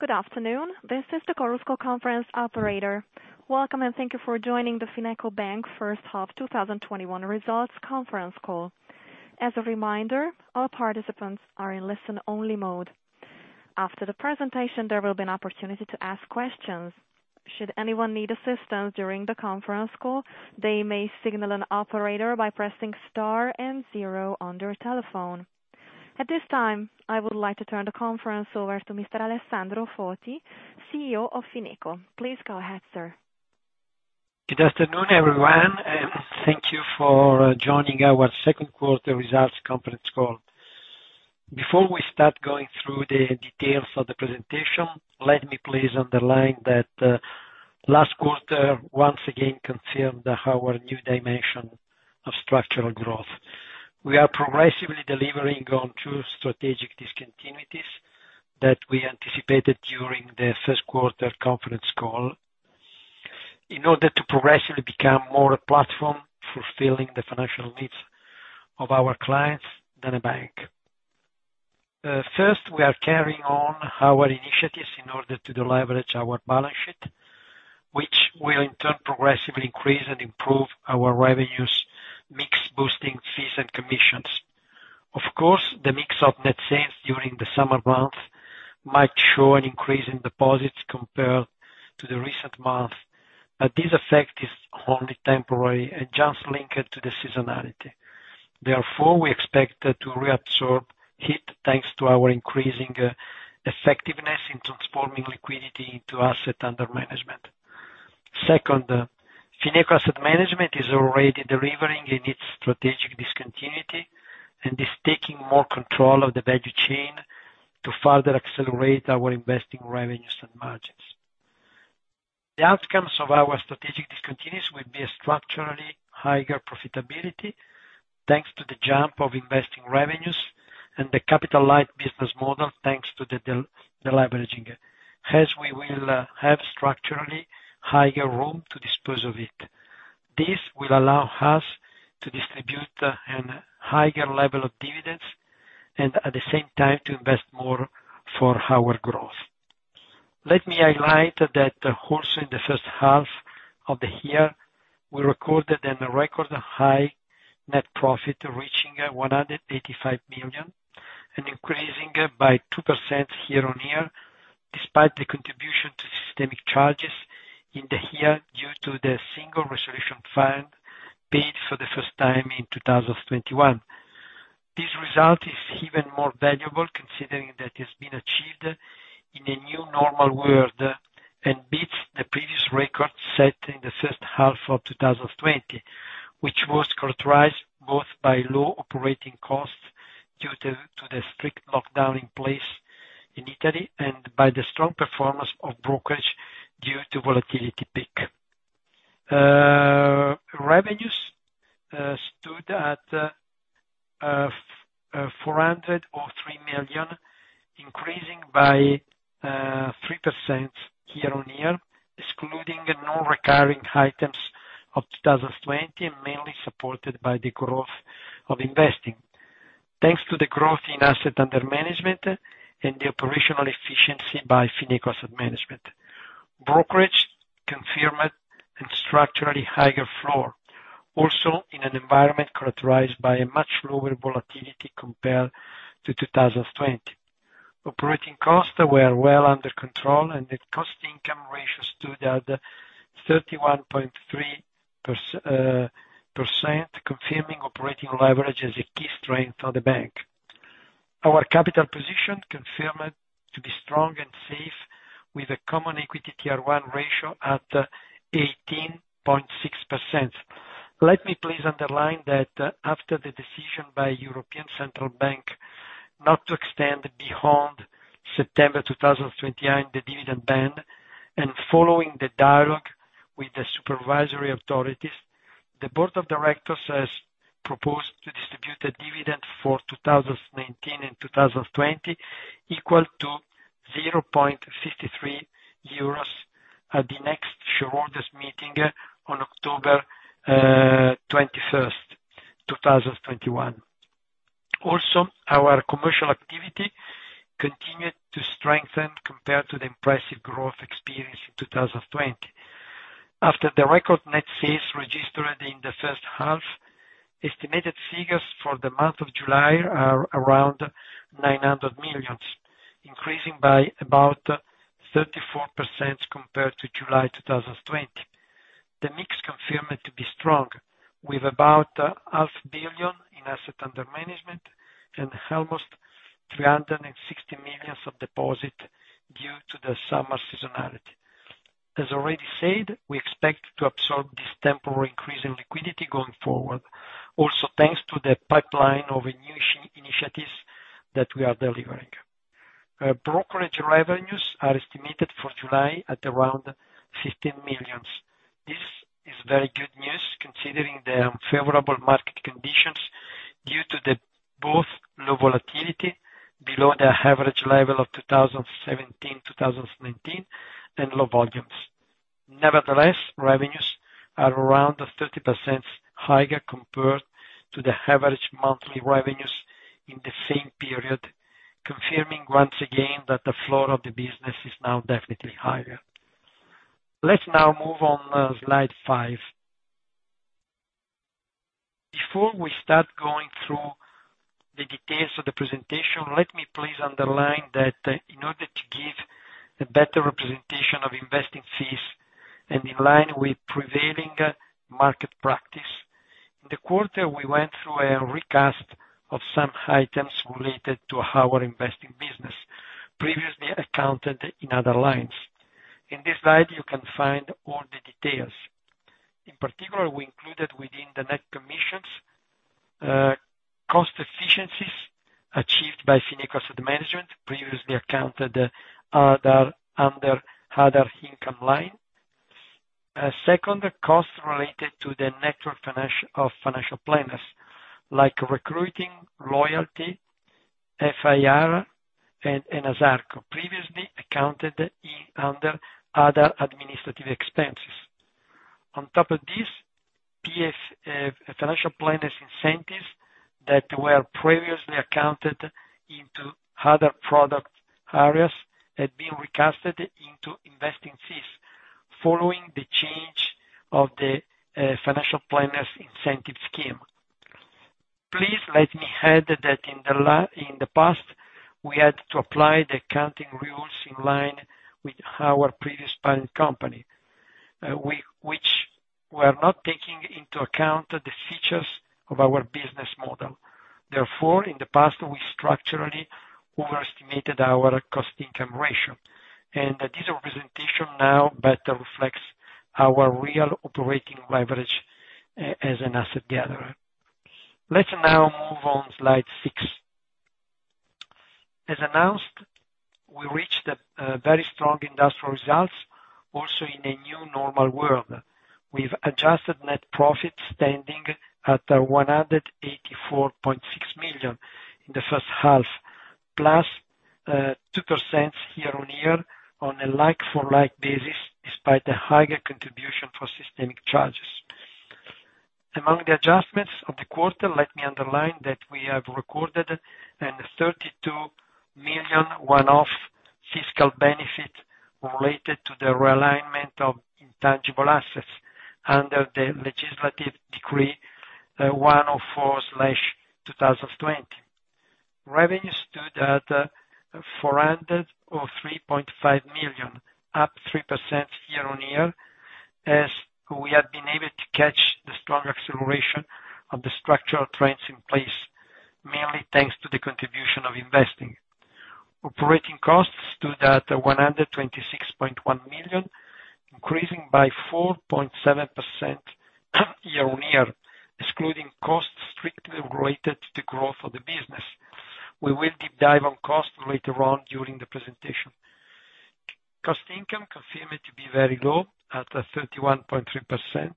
Good afternoon. This is the Chorus Call conference operator. Welcome. Thank you for joining the FinecoBank First Half 2021 Results Conference Call. As a reminder, all participants are in listen-only mode. After the presentation, there will be an opportunity to ask questions. Should anyone need assistance during the conference call, they may signal an operator by pressing star and zero on their telephones. At this time, I would like to turn the conference over to Mr. Alessandro Foti, CEO of Fineco. Please go ahead, sir. Good afternoon, everyone. Thank you for joining our second quarter results conference call. Before we start going through the details of the presentation, let me please underline that last quarter once again confirmed our new dimension of structural growth. We are progressively delivering on two strategic discontinuities that we anticipated during the first quarter conference call. In order to progressively become more a platform fulfilling the financial needs of our clients than a bank. First, we are carrying on our initiatives in order to deleverage our balance sheet, which will in turn progressively increase and improve our revenues mix, boosting fees and commissions. Of course, the mix of net sales during the summer months might show an increase in deposits compared to the recent month, but this effect is only temporary and just linked to the seasonality. We expect to reabsorb it, thanks to our increasing effectiveness in transforming liquidity into Assets Under Management. Fineco Asset Management is already delivering in its strategic discontinuity and is taking more control of the value chain to further accelerate our investing revenues and margins. The outcomes of our strategic discontinuity will be a structurally higher profitability, thanks to the jump of investing revenues, and a capital-light business model, thanks to the deleveraging, as we will have structurally higher room to dispose of it. This will allow us to distribute a higher level of dividends and, at the same time, to invest more for our growth. Let me highlight that also in the first half of the year, we recorded a record high net profit, reaching 185 million and increasing by 2% year-over-year, despite the contribution to systemic charges in the year, due to the Single Resolution Fund paid for the first time in 2021. This result is even more valuable considering that it's been achieved in a new normal world and beats the previous record set in the first half of 2020, which was characterized both by low operating costs due to the strict lockdown in place in Italy and by the strong performance of brokerage due to volatility peaks. Revenues stood at 403 million, increasing by 3% year-over-year, excluding non-recurring items of 2020 and mainly supported by the growth of investment. Thanks to the growth in Assets Under Management and the operational efficiency of Fineco Asset Management. Brokerage confirmed a structurally higher floor, also in an environment characterized by much lower volatility compared to 2020. Operating costs were well under control, and the cost-income ratio stood at 31.3%, confirming operating leverage as a key strength of the bank. Our capital position was confirmed to be strong and safe with a Common Equity Tier 1 ratio at 18.6%. Let me please underline that after the decision by the European Central Bank not to extend beyond September 2021 the dividend ban, and following the dialogue with the supervisory authorities, the board of directors has proposed to distribute a dividend for 2019 and 2020 equal to 0.63 euros at the next shareholders meeting on October 21st, 2021. Our commercial activity continued to strengthen compared to the impressive growth experienced in 2020. After the record net sales registered in the first half, estimated figures for the month of July are around 900 million, increasing by about 34% compared to July 2020. The mix was confirmed to be strong with about half a billion in assets under management and almost 360 million of deposit due to the summer seasonality. As already said, we expect to absorb this temporary increase in liquidity going forward, also thanks to the pipeline of new initiatives that we are delivering. Brokerage revenues are estimated for July at around 15 million. This is very good news considering the unfavorable market conditions due to both low volatility below the average level of 2017, 2019, and low volumes. Revenues are around 30% higher compared to the average monthly revenues in the same period, confirming once again that the floor of the business is now definitely higher. Let's now move on to slide five. Before we start going through the details of the presentation, let me please underline that in order to give a better representation of investing fees and in line with prevailing market practice, in the quarter, we went through a recast of some items related to our investing business previously accounted for in other lines. In this slide, you can find all the details. In particular, we included within the net commissions cost efficiencies achieved by Fineco Asset Management previously accounted for under the other income line. Second, the cost related to the network of financial planners, like recruiting, loyalty, FIRR, and ENASARCO, was previously accounted under other administrative expenses. On top of this, financial planners' incentives that were previously accounted for in other product areas had been recasted into investing fees following the change of the financial planners' incentive scheme. Please let me add that in the past, we had to apply the accounting rules in line with our previous parent company, which were not taking into account the features of our business model. In the past, we structurally overestimated our cost-income ratio, and this representation now better reflects our real operating leverage as an asset gatherer. Let's now move on to slide six. As announced, we reached very strong industrial results, also in a new normal world. With adjusted net profits standing at 184.6 million in the first half, a 2% year-over-year increase on a like-for-like basis, despite the higher contribution for systemic charges. Among the adjustments of the quarter, let me underline that we have recorded a 32 million one-off fiscal benefit related to the realignment of intangible assets under the legislative decree 104/2020. Revenue stood at 403.5 million, up 3% year-on-year, as we had been able to catch the strong acceleration of the structural trends in place, mainly thanks to the contribution of investing. Operating costs stood at 126.1 million, increasing by 4.7% year-on-year, excluding costs strictly related to the growth of the business. We will deep dive into cost later on during the presentation. Cost income continued to be very low at 31.3%,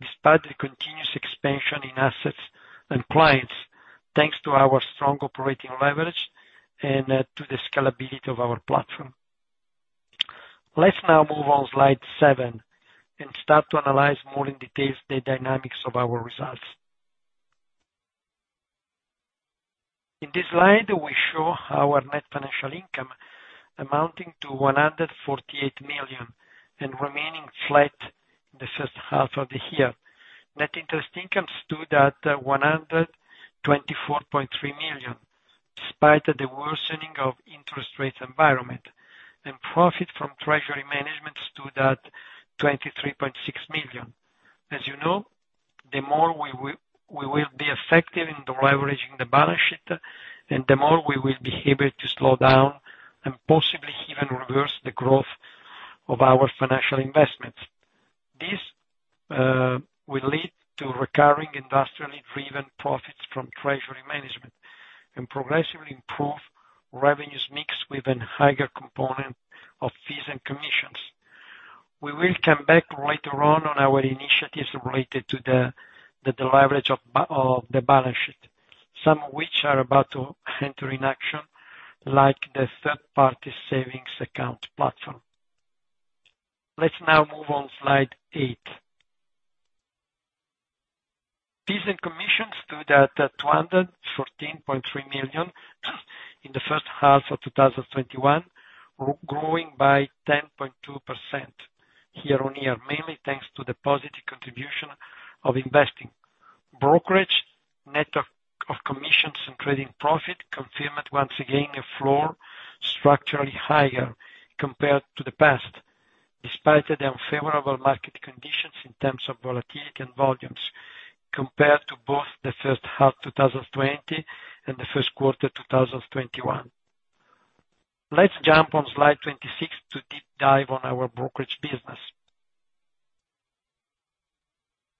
despite the continuous expansion in assets and clients, thanks to our strong operating leverage and to the scalability of our platform. Let's now move on to slide seven and start to analyze in more detail the dynamics of our results. In this slide, we show our net financial income amounting to 148 million and remaining flat in the first half of the year. Net interest income stood at 124.3 million, despite the worsening of the interest rate environment. Profit from treasury management stood at 23.6 million. As you know, the more we will be effective in deleveraging the balance sheet, the more we will be able to slow down and possibly even reverse the growth of our financial investments. This will lead to recurring industrially driven profits from treasury management and progressively improve the revenue mix with a higher component of fees and commissions. We will come back later on to our initiatives related to the deleveraging of the balance sheet, some of which are about to enter into action, like the third-party savings account platform. Let's now move on to slide eight. Fees and commissions stood at 214.3 million in the first half of 2021, growing by 10.2% year-on-year, mainly thanks to the positive contribution of investing. Brokerage net of commissions and trading profit confirmed once again a floor structurally higher compared to the past, despite the unfavorable market conditions in terms of volatility and volumes, compared to both the first half of 2020 and the first quarter of 2021. Let's jump on slide 26 to deep dive into our brokerage business.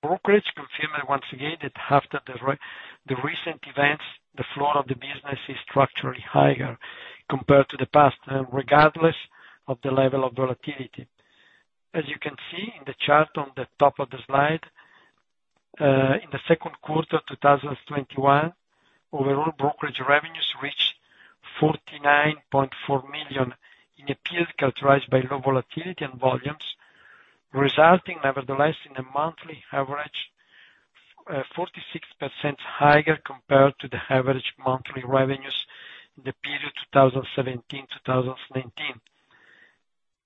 The brokerage confirmed once again that after the recent events, the floor of the business is structurally higher compared to the past, regardless of the level of volatility. As you can see in the chart on the top of the slide. In the second quarter of 2021, overall brokerage revenues reached 49.4 million in a period characterized by low volatility and volumes, resulting, nevertheless, in a monthly average 46% higher compared to the average monthly revenues in the period 2017-2019.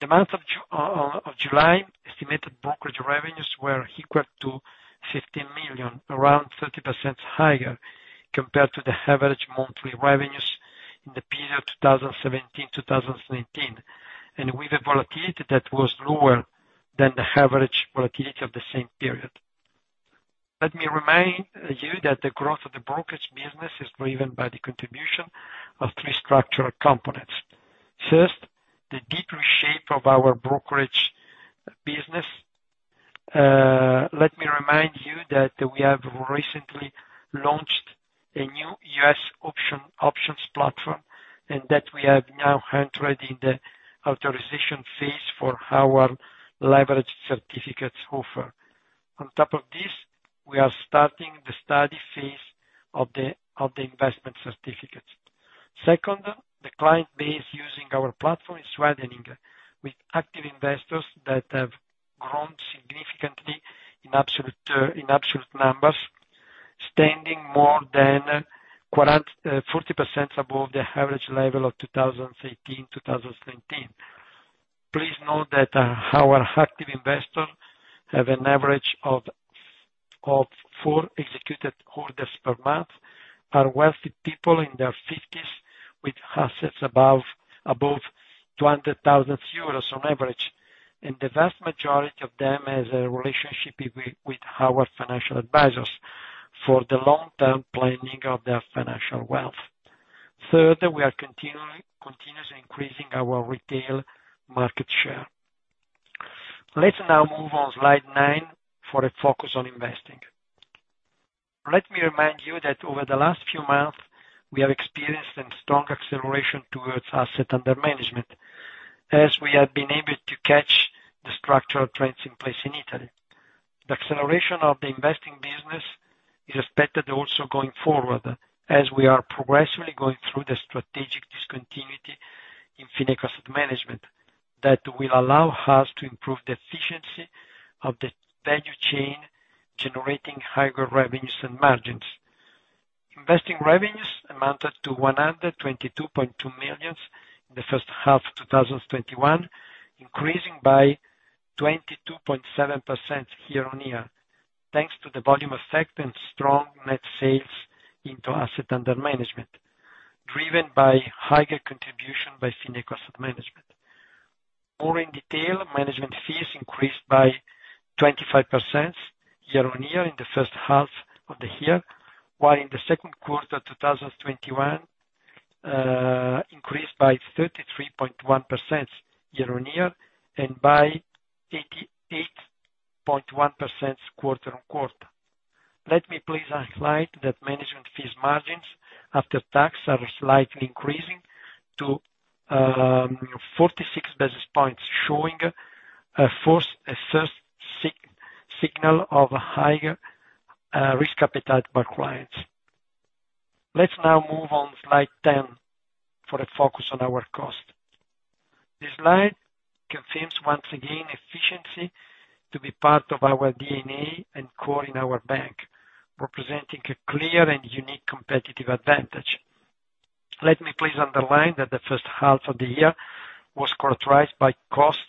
In the month of July, estimated brokerage revenues were equal to 15 million, around 30% higher compared to the average monthly revenues in the period 2017–2019. With a volatility that was lower than the average volatility of the same period, let me remind you that the growth of the brokerage business is driven by the contribution of three structural components. First, the deep shape of our brokerage business. Let me remind you that we have recently launched a new US options platform and that we have now entered the authorization phase for our leveraged certificates offer. On top of this, we are starting the study phase of the investment certificates. Second, the client base using our platform is widening with active investors that have grown significantly in absolute numbers, standing more than 40% above the average level of 2018 and 2019. Please note that our active investors have an average of four executed orders per month, are wealthy people in their 50s with assets above 200,000 euros on average, and the vast majority of them have a relationship with our financial advisors for the long-term planning of their financial wealth. Third, we are continuously increasing our retail market share. Let's now move on to slide nine for a focus on investing. Let me remind you that over the last few months, we have experienced a strong acceleration towards Assets Under Management, as we have been able to catch the structural trends in place in Italy. The acceleration of the investing business is expected also going forward, as we are progressively going through the strategic discontinuity in Fineco Asset Management that will allow us to improve the efficiency of the value chain, generating higher revenues and margins. Investing revenues amounted to 122.2 million in the first half of 2021, increasing by 22.7% year-on-year, thanks to the volume effect and strong net sales into assets under management, driven by higher contributions by Fineco Asset Management. More in detail, management fees increased by 25% year-on-year in the first half of the year, while in the second quarter of 2021, they increased by 33.1% year-on-year and by 88.1% quarter-on-quarter. Let me please highlight that management fees margins after tax are slightly increasing to 46 basis points, showing a first signal of a higher risk appetite by clients. Let's now move on to slide 10 for a focus on our cost. This slide confirms once again efficiency to be part of our DNA and core in our bank, representing a clear and unique competitive advantage. Let me please underline that the first half of the year was characterized by costs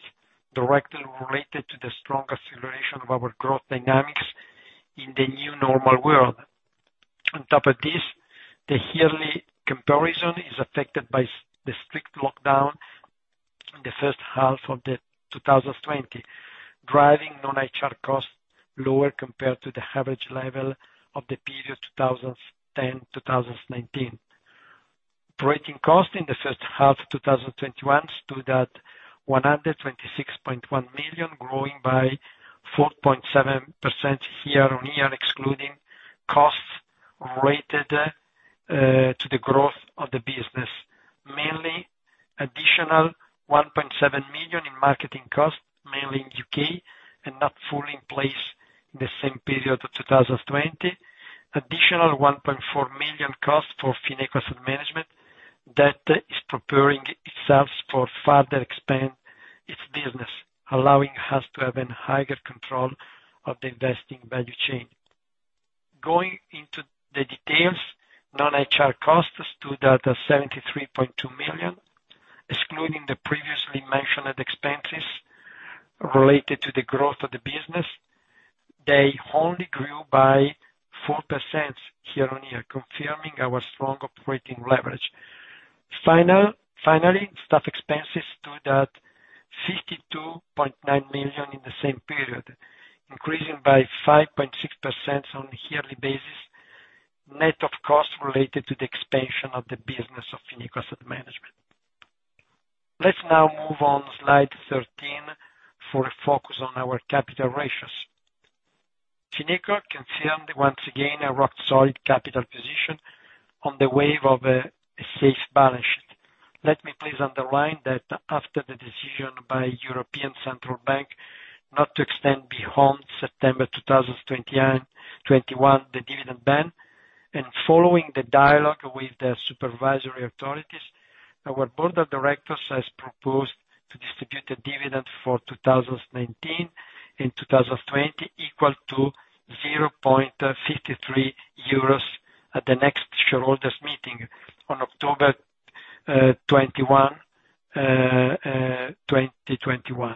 directly related to the strong acceleration of our growth dynamics in the new normal world. On top of this, the yearly comparison is affected by the strict lockdown in the first half of 2020, driving non-HR costs lower compared to the average level of the period 2010-2019. Operating costs in the first half of 2021 stood at 126.1 million, growing by 4.7% year-on-year, excluding costs related to the growth of the business, mainly an additional 1.7 million in marketing costs, mainly in the U.K., and not fully in place in the same period of 2020. An additional 1.4 million cost for Fineco Asset Management that is preparing itself to further expand its business, allowing us to have a higher control of the investing value chain. Going into the details, non-HR costs stood at 73.2 million. Excluding the previously mentioned expenses related to the growth of the business, they only grew by 4% year-on-year, confirming our strong operating leverage. Staff expenses stood at 52.9 million in the same period, increasing by 5.6% on a yearly basis, net of costs related to the expansion of the business of Fineco Asset Management. Let's now move on to slide 13 for a focus on our capital ratios. Fineco confirmed once again a rock-solid capital position on the wave of a safe balance sheet. Let me please underline that after the decision by the European Central Bank not to extend beyond September 2021, the dividend ban, and following the dialogue with the supervisory authorities, our Board of Directors has proposed to distribute a dividend for 2019 and 2020 equal to 0.53 euros at the next shareholders' meeting on October 21, 2021.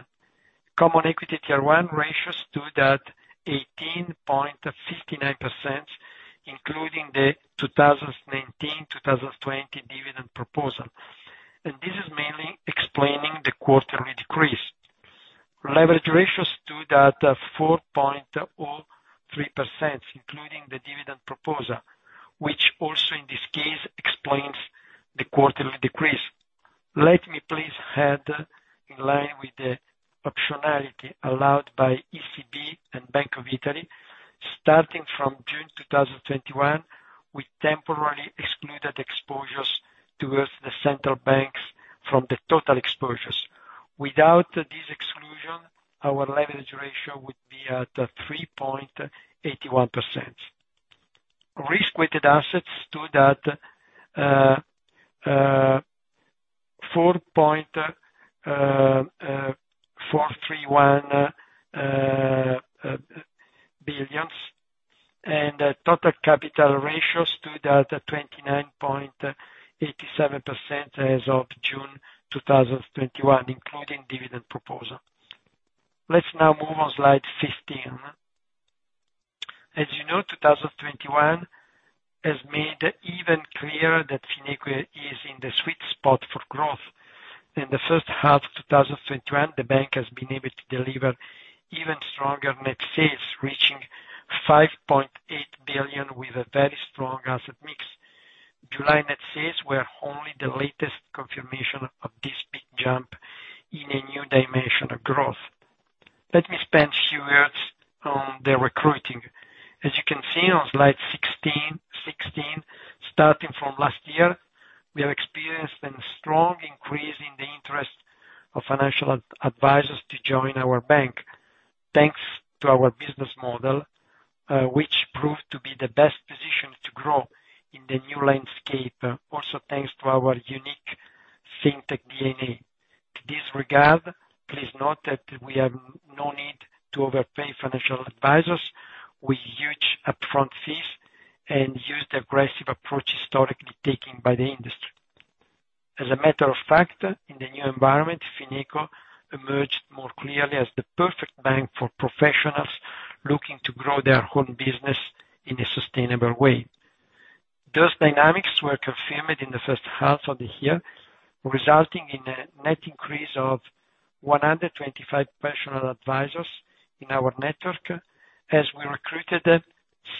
Common Equity Tier 1 ratios stood at 18.59%, including the 2019, 2020 dividend proposal. This is mainly explaining the quarterly decrease. Leverage ratios stood at 4.03%, including the dividend proposal, which also in this case explains the quarterly decrease. Let me please add, in line with the optionality allowed by the ECB and Bank of Italy, starting from June 2021, we temporarily excluded exposures towards the central banks from the total exposures. Without this exclusion, our leverage ratio would be at 3.81%. Risk-weighted assets stood at EUR 4.431 billion, and the total capital ratio stood at 29.87% as of June 2021, including the dividend proposal. Let's now move on to slide 15. As you know, 2021 has made even clearer that Fineco is in the sweet spot for growth. In the first half of 2021, the bank has been able to deliver even stronger net sales, reaching 5.8 billion with a very strong asset mix. July net sales were only the latest confirmation of this big jump in a new dimension of growth. Let me spend a few words on recruiting. As you can see on slide 16, starting from last year, we have experienced a strong increase in the interest of financial advisors to join our bank, thanks to our business model, which proved to be the best position to grow in the new landscape, and also thanks to our unique fintech DNA. In this regard, please note that we have no need to overpay financial advisors with huge upfront fees and use the aggressive approach historically taken by the industry. As a matter of fact, in the new environment, Fineco emerged more clearly as the perfect bank for professionals looking to grow their own business in a sustainable way. Those dynamics were confirmed in the first half of the year, resulting in a net increase of 125 professional advisors in our network, as we recruited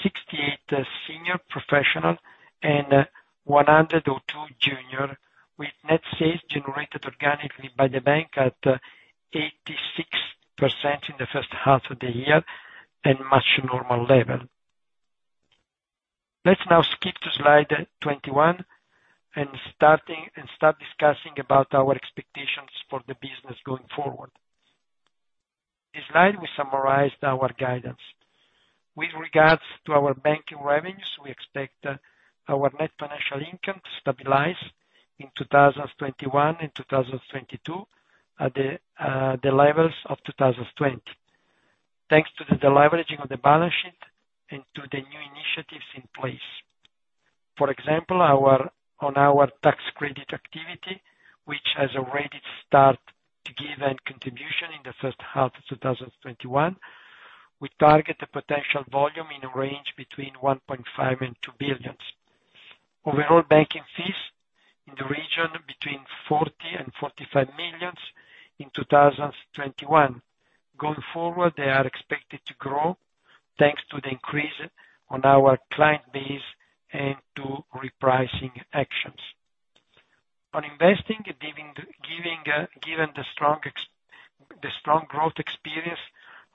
68 senior professionals and 102 juniors, with net sales generated organically by the bank at 86% in the first half of the year at a much more normal level. Let's now skip to slide 21 and start discussing our expectations for the business going forward. This slide will summarize our guidance. With regards to our banking revenues, we expect our net financial income to stabilize in 2021-2022 at the levels of 2020. Thanks to the deleveraging of the balance sheet and to the new initiatives in place. For example, our tax credit activity has already started to make a contribution in the first half of 2021. We target a potential volume in a range between 1.5 billion-2 billion. Overall banking fees in the region were between 40 million-45 million in 2021. Going forward, they are expected to grow, thanks to the increase in our client base and to repricing actions. On investing, given the strong growth experience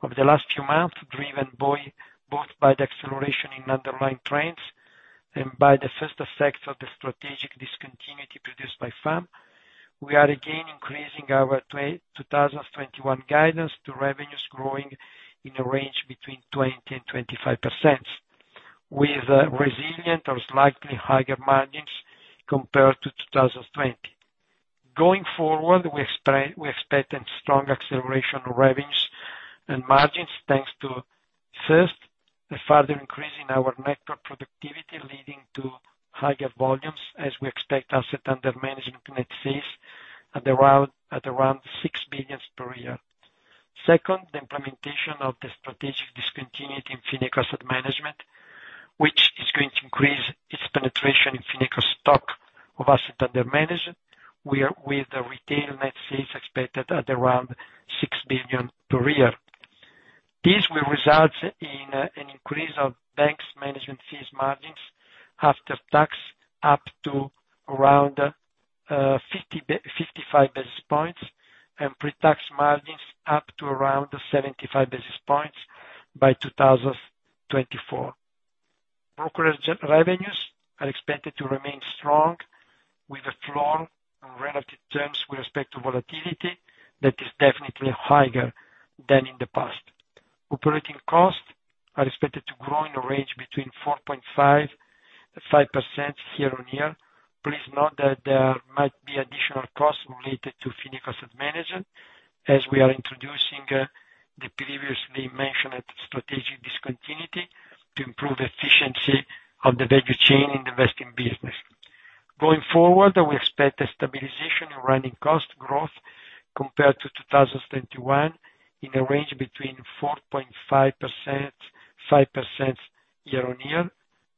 over the last few months, driven both by the acceleration in underlying trends and by the first effect of the strategic discontinuity produced by FAM, we are again increasing our 2021 guidance to revenues growing in a range between 20%-25%, with resilient or slightly higher margins compared to 2020. Going forward, we expect a strong acceleration in revenues and margins, thanks to, first, the further increase in our network productivity, leading to higher volumes as we expect Assets Under Management net fees at around 6 billion per year. Second, the implementation of the strategic discontinuity in Fineco Asset Management, which is going to increase its penetration in Fineco's stock of Assets Under Management with retail net sales expected at around 6 billion per year. This will result in an increase of bank's management fees margins after tax up to around 55 basis points and pre-tax margins up to around 75 basis points by 2024. Brokerage revenues are expected to remain strong with a floor in relative terms with respect to volatility that is definitely higher than in the past. Operating costs are expected to grow in the range between 4.5%-5% year-on-year. Please note that there might be additional costs related to Fineco Asset Management as we are introducing the previously mentioned strategic discontinuity to improve the efficiency of the value chain in the investing business. Going forward, we expect a stabilization in running cost growth compared to 2021 in the range between 4.5%-5% year-on-year,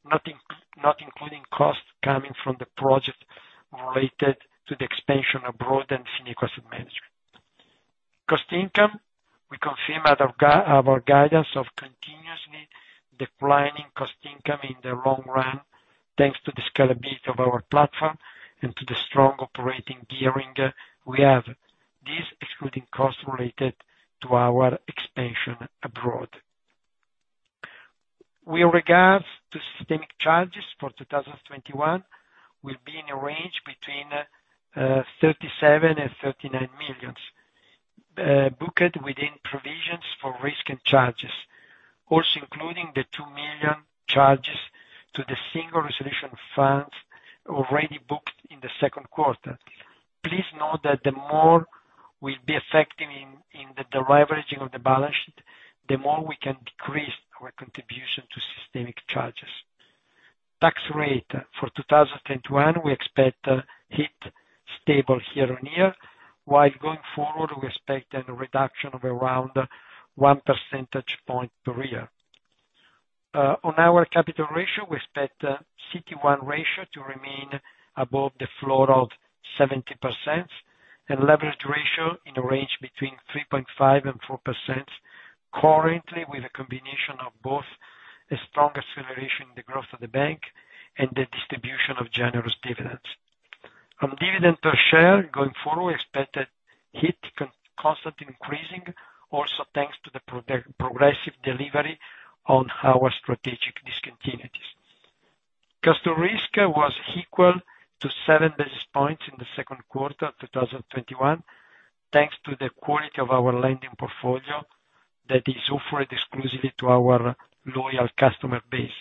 not including costs coming from the project related to the expansion abroad and Fineco Asset Management. Cost income: We confirm our guidance of a continuously declining cost-income ratio in the long run, thanks to the scalability of our platform and to the strong operating gearing we have. This excludes costs related to our expansion abroad. With regard to systemic charges for 2021, they will be in a range between 37 million-39 million, booked within provisions for risk and charges, also including the 2 million charges to the Single Resolution Fund already booked in the second quarter. Please note that the more we'll be effective in the deleveraging of the balance sheet, the more we can decrease our contribution to systemic charges. Tax rate in 2021, we expect it to be stable year on year, while going forward, we expect a reduction of around one percentage point per year. On our capital ratio, we expect the CET1 ratio to remain above the floor of 70% and the leverage ratio in a range between 3.5%-4%, currently with a combination of both a strong acceleration in the growth of the bank and the distribution of generous dividends. On dividend per share, going forward, we expect it to constantly increase, also thanks to the progressive delivery on our strategic discontinuities. Cost of risk was equal to seven basis points in the second quarter of 2021, thanks to the quality of our lending portfolio that is offered exclusively to our loyal customer base.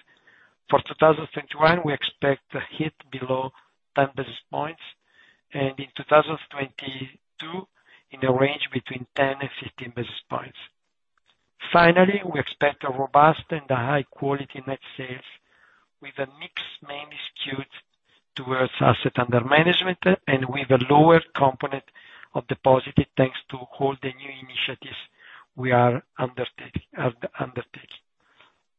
For 2021, we expect to hit below 10 basis points and, in 2022, in the range between 10-15 basis points. Finally, we expect robust and high-quality net sales with a mix mainly skewed towards assets under management and with a lower component of deposits, thanks to all the new initiatives we are undertaking.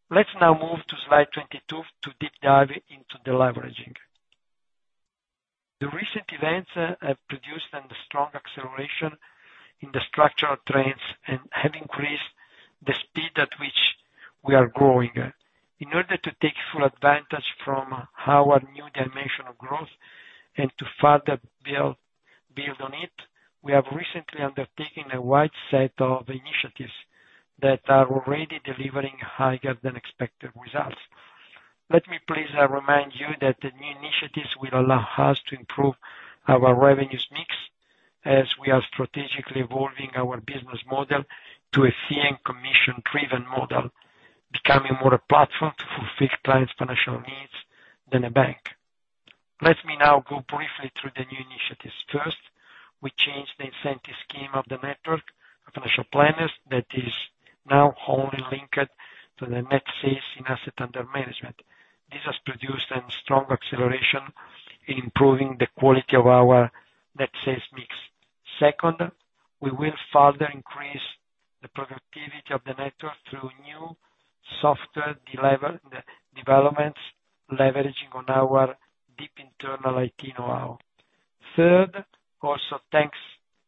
Let's now move to slide 22 to deep dive into deleveraging. The recent events have produced a strong acceleration in the structural trends and have increased the speed at which we are growing. In order to take full advantage of our new dimension of growth and to further build on it, we have recently undertaken a wide set of initiatives that are already delivering higher than expected results. Let me please remind you that the new initiatives will allow us to improve our revenue mix as we are strategically evolving our business model to a fee and commission-driven model, becoming more a platform to fulfill clients' financial needs than a bank. Let me now go briefly through the new initiatives. First, we changed the incentive scheme of the network of financial planners that is now only linked to the net sales in assets under management. This has produced a strong acceleration in improving the quality of our net sales mix. Second, we will further increase the productivity of the network through new software developments, leveraging on our deep internal IT know-how. Third, also thanks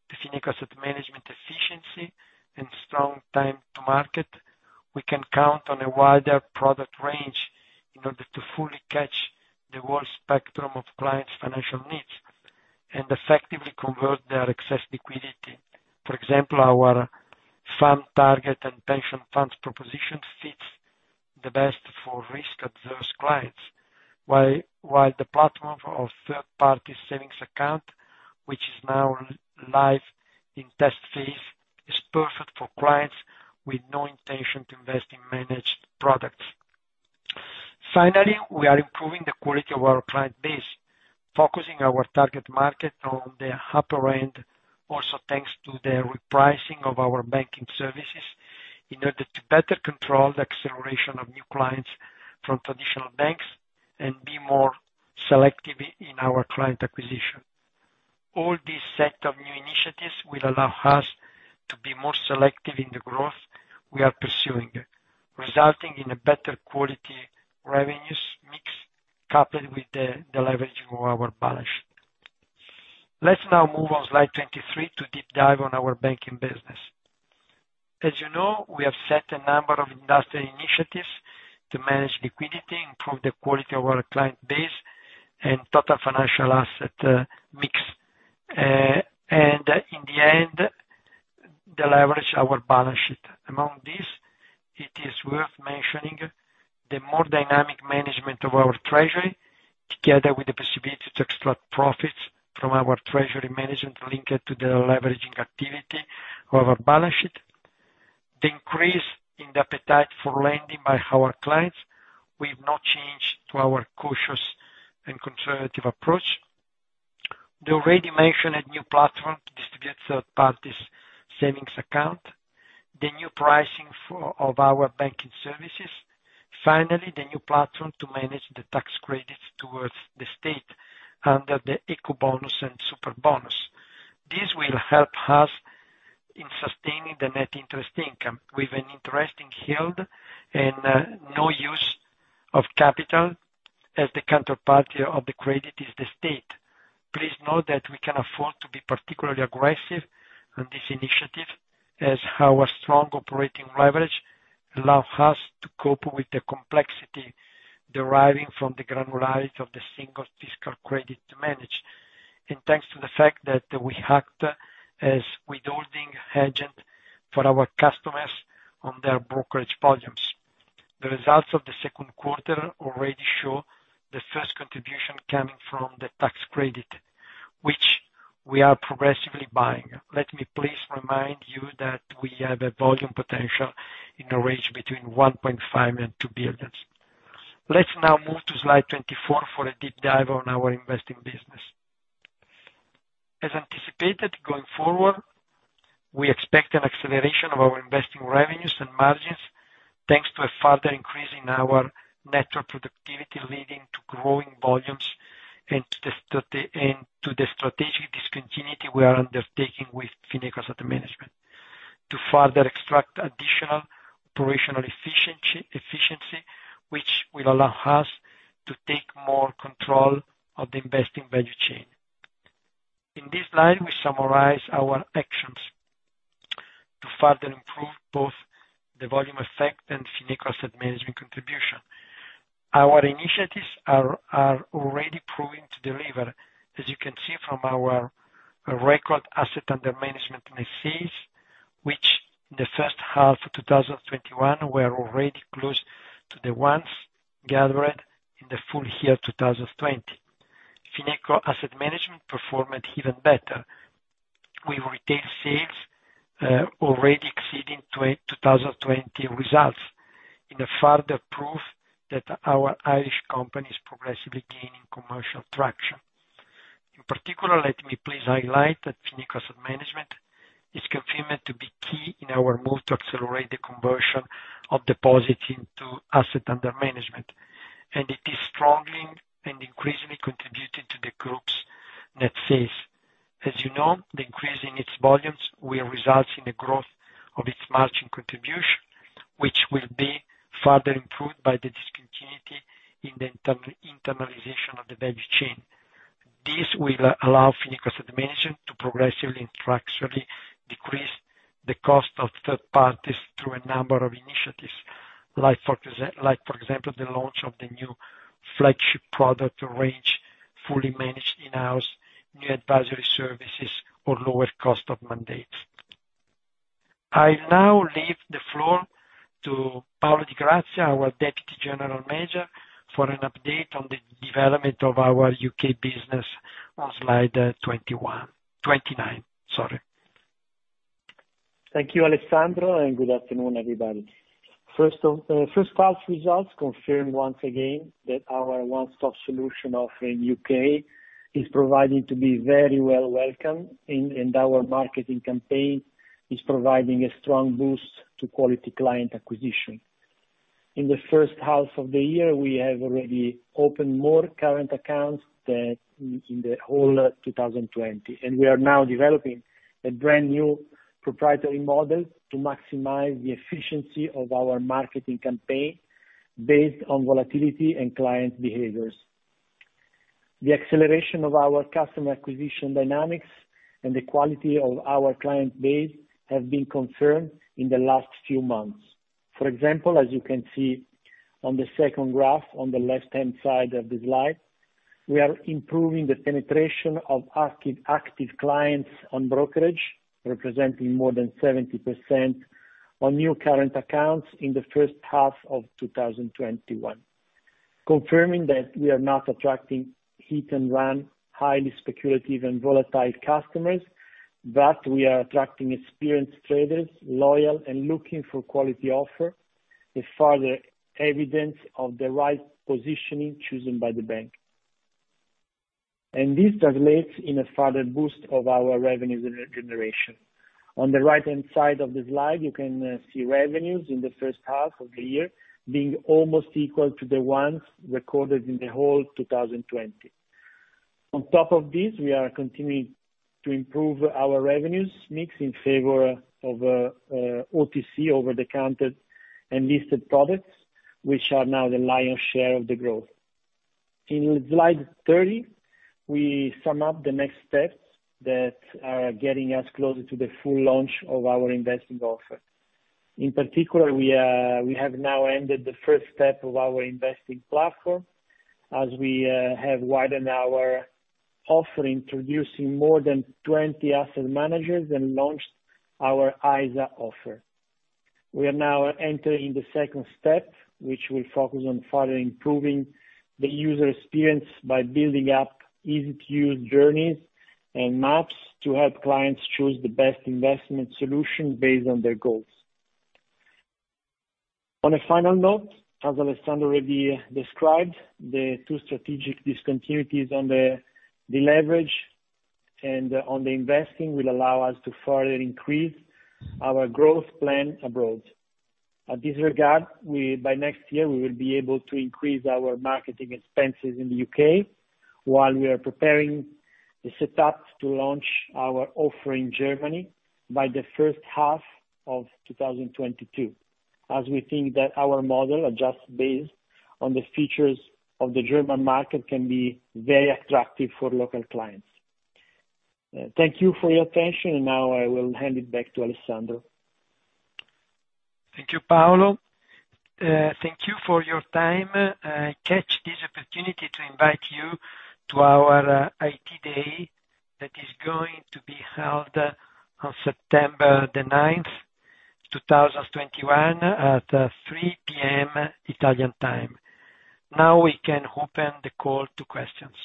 to Fineco Asset Management's efficiency and strong time to market, we can count on a wider product range in order to fully catch the whole spectrum of clients' financial needs and effectively convert their excess liquidity. For example, our fund target and pension fund proposition fits the best for risk-averse clients. While the platform of a third-party savings account, which is now live in the test phase, is perfect for clients with no intention to invest in managed products. Finally, we are improving the quality of our client base, focusing our target market on the upper end, also thanks to the repricing of our banking services, in order to better control the acceleration of new clients from traditional banks and be more selective in our client acquisition. All this set of new initiatives will allow us to be more selective in the growth we are pursuing, resulting in a better quality revenue mix coupled with the leveraging of our balance sheet. Let's now move on to slide 23 to deep dive on our banking business. As you know, we have set a number of industry initiatives to manage liquidity, improve the quality of our client base, and manage the total financial asset mix. In the end, to leverage our balance sheet. Among these, it is worth mentioning the more dynamic management of our treasury, together with the possibility to extract profits from our treasury management linked to the leveraging activity of our balance sheet. Despite the increase in the appetite for lending by our clients, we've not changed our cautious and conservative approach. The already mentioned new platform to distribute third-party savings accounts and the new pricing of our banking services. The new platform manages the tax credits towards the state under the Ecobonus and Superbonus. This will help us in sustaining the net interest income with an interesting yield and no use of capital, as the counterparty of the credit is the state. Please note that we can afford to be particularly aggressive on this initiative, as our strong operating leverage allows us to cope with the complexity deriving from the granularity of the single fiscal credit managed. Thanks to the fact that we act as a withholding agent for our customers on their brokerage volumes. The results of the second quarter already show the first contribution coming from the tax credit, which we are progressively buying. Let me please remind you that we have a volume potential in a range between 1.5 billion-2 billion. Let's now move to slide 24 for a deep dive on our investing business. As anticipated, going forward, we expect an acceleration of our investing revenues and margins, thanks to a further increase in our network productivity leading to growing volumes and to the strategic discontinuity we are undertaking with Fineco Asset Management. To further extract additional operational efficiency, which will allow us to take more control of the investing value chain. In this slide, we summarize our actions to further improve both the volume effect and Fineco Asset Management's contribution. Our initiatives are already proving to deliver, as you can see from our record assets under management and fees, which in the first half of 2021 were already close to the ones gathered in the full year 2020. Fineco Asset Management performed even better. With retail sales already exceeding 2020 results, it is further proof that our Irish company is progressively gaining commercial traction. In particular, let me please highlight that Fineco Asset Management is confirmed to be key in our move to accelerate the conversion of deposits into assets under management. It is strongly and increasingly contributing to the group's net sales. As you know, the increase in its volumes will result in a growth of its margin contribution, which will be further improved by the discontinuity in the internalization of the value chain. This will allow Fineco Asset Management to progressively and structurally decrease the cost of third parties through a number of initiatives, like, for example, the launch of the new flagship product range, fully managed in-house, new advisory services, or a lower cost of mandate. I now leave the floor to Paolo Di Grazia, our deputy general manager, for an update on the development of our U.K. business on slide 29. Thank you, Alessandro, and good afternoon, everybody. First half results confirm once again that our one-stop solution offer in the U.K. is proving to be very well welcomed, and our marketing campaign is providing a strong boost to quality client acquisition. In the first half of the year, we have already opened more current accounts than in the whole of 2020, and we are now developing a brand-new proprietary model to maximize the efficiency of our marketing campaign based on volatility and client behaviors. The acceleration of our customer acquisition dynamics and the quality of our client base have been confirmed in the last few months. For example, as you can see on the second graph on the left-hand side of the slide, we are improving the penetration of active clients on brokerage, representing more than 70% of new current accounts in the first half of 2021. Confirming that we are not attracting hit-and-run, highly speculative, and volatile customers, but we are attracting experienced, loyal traders looking for quality offers, is further evidence of the right positioning chosen by the bank. This translates into a further boost in our revenue generation. On the right-hand side of the slide, you can see revenues in the first half of the year being almost equal to the ones recorded in the whole 2020. On top of this, we are continuing to improve our revenue mix in favor of OTC, Over-The-Counter, and listed products, which are now the lion's share of the growth. In slide 30, we sum up the next steps that are getting us closer to the full launch of our investing offer. In particular, we have now ended the first step of our investing platform as we have widened our offering, introducing more than 20 asset managers and launching our ISA offer. We are now entering the second step, which will focus on further improving the user experience by building up easy-to-use journeys and maps to help clients choose the best investment solution based on their goals. On a final note, as Alessandro already described, the two strategic discontinuities in the leverage and in the investing will allow us to further increase our growth plan abroad. In this regard, by next year, we will be able to increase our marketing expenses in the U.K., while we are preparing the setup to launch our offer in Germany by the first half of 2022, as we think that our model, adjusted based on the features of the German market, can be very attractive for local clients. Thank you for your attention. Now I will hand it back to Alessandro. Thank you, Paolo. Thank you for your time. I catch this opportunity to invite you to our IT Day that is going to be held on September the 9th, 2021, at 3:00P.M. Italian time. Now we can open the call to questions.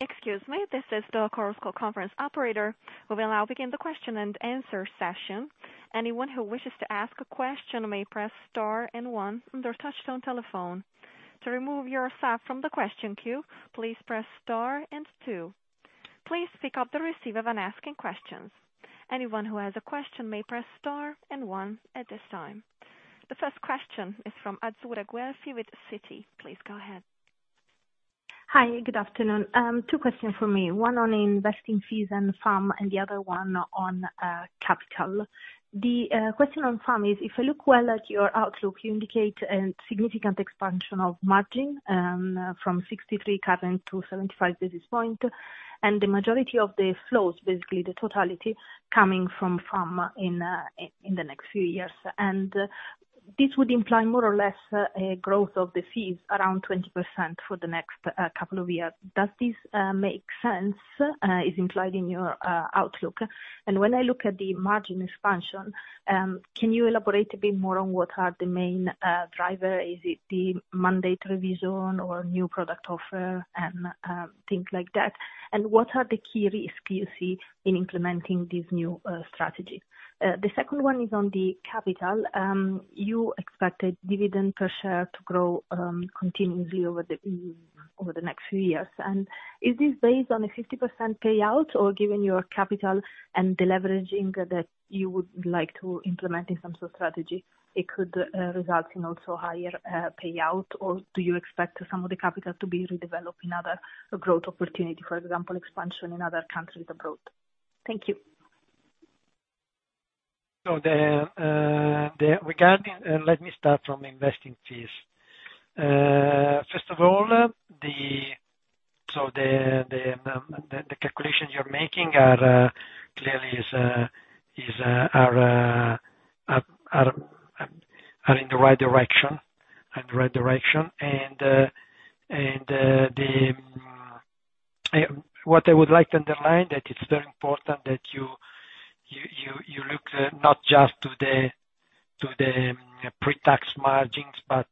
Excuse me. This is the conference call operator. We will now begin the question and answer session. Anyone who wishes to ask a question may press star and one on their touch-tone telephone. To remove yourself from the question queue, please press star and two. Please pick up the receiver when asking questions. Anyone who has a question may press star and one at this time. The first question is from Azzurra Guelfi with Citi. Please go ahead. Hi, good afternoon. Two questions from me, one on investing fees and FAM and the other one on capital. The question on FAM is if I look well at your outlook, you indicate a significant expansion of margin, from 63 current to 75 basis points. The majority of the flows, basically the totality, are coming from FAM in the next few years. This would imply more or less a growth of the fees around 20% for the next couple of years. Does this make sense? Is it implied in your outlook? When I look at the margin expansion, can you elaborate a bit more on what the main drivers are? Is it the mandate revision or new product offer and things like that? What are the key risks you see in implementing these new strategies? The second one is on the capital. You expected the dividend per share to grow continuously over the next few years. Is this based on a 50% payout, or given your capital and deleveraging that you would like to implement in some sort of strategy, could it result in also a higher payout? Do you expect some of the capital to be redeveloped in other growth opportunities, for example, expansion in other countries abroad? Thank you. Let me start with investing fees. First of all, the calculations you're making clearly are in the right direction. What I would like to underline is that it's very important that you look not just to the pre-tax margins, but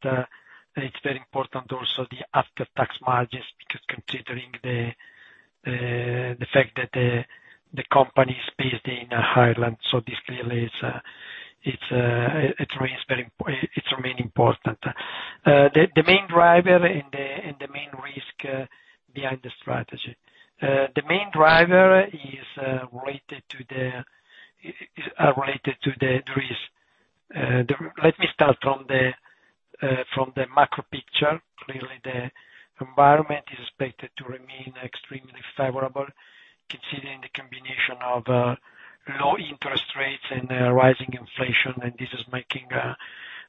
it's very important also to the after-tax margins, because considering the fact that the company is based in Ireland, this clearly remains important. The main driver and the main risk behind the strategy. The main driver is related to the risk. Let me start from the macro picture. Clearly, the environment is expected to remain extremely favorable considering the combination of low interest rates and rising inflation. This is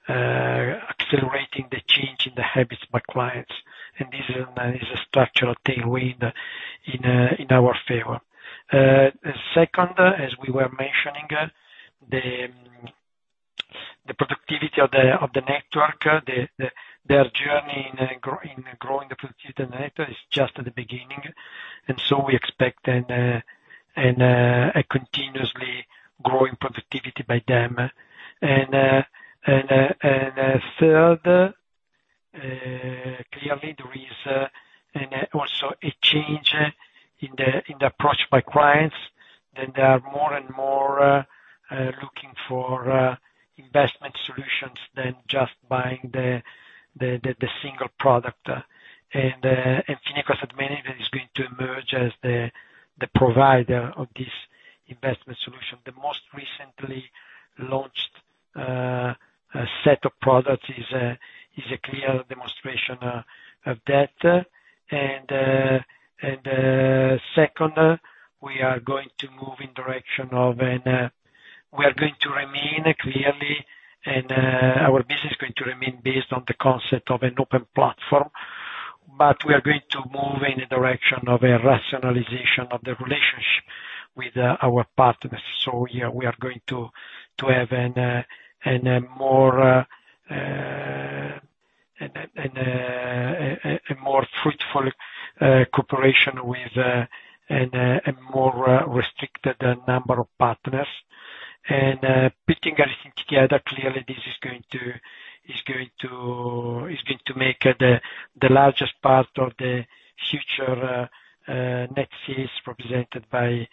accelerating the change in the habits of clients. This is a structural tailwind in our favor. Second, as we were mentioning, the productivity of the network—their journey in growing the productivity of the network—is just at the beginning. We expect a continuously growing productivity from them. Third, clearly there is also a change in the approach by clients, that they are more and more looking for investment solutions than just buying the single product. Fineco Asset Management is going to emerge as the provider of this investment solution. The most recently launched set of products is a clear demonstration of that. Second, our business is going to remain based on the concept of an open platform. We are going to move in the direction of a rationalization of the relationship with our partners. Yeah, we are going to have a more fruitful cooperation with a more restricted number of partners. Putting everything together, clearly this is going to make the largest part of the future net sales represented by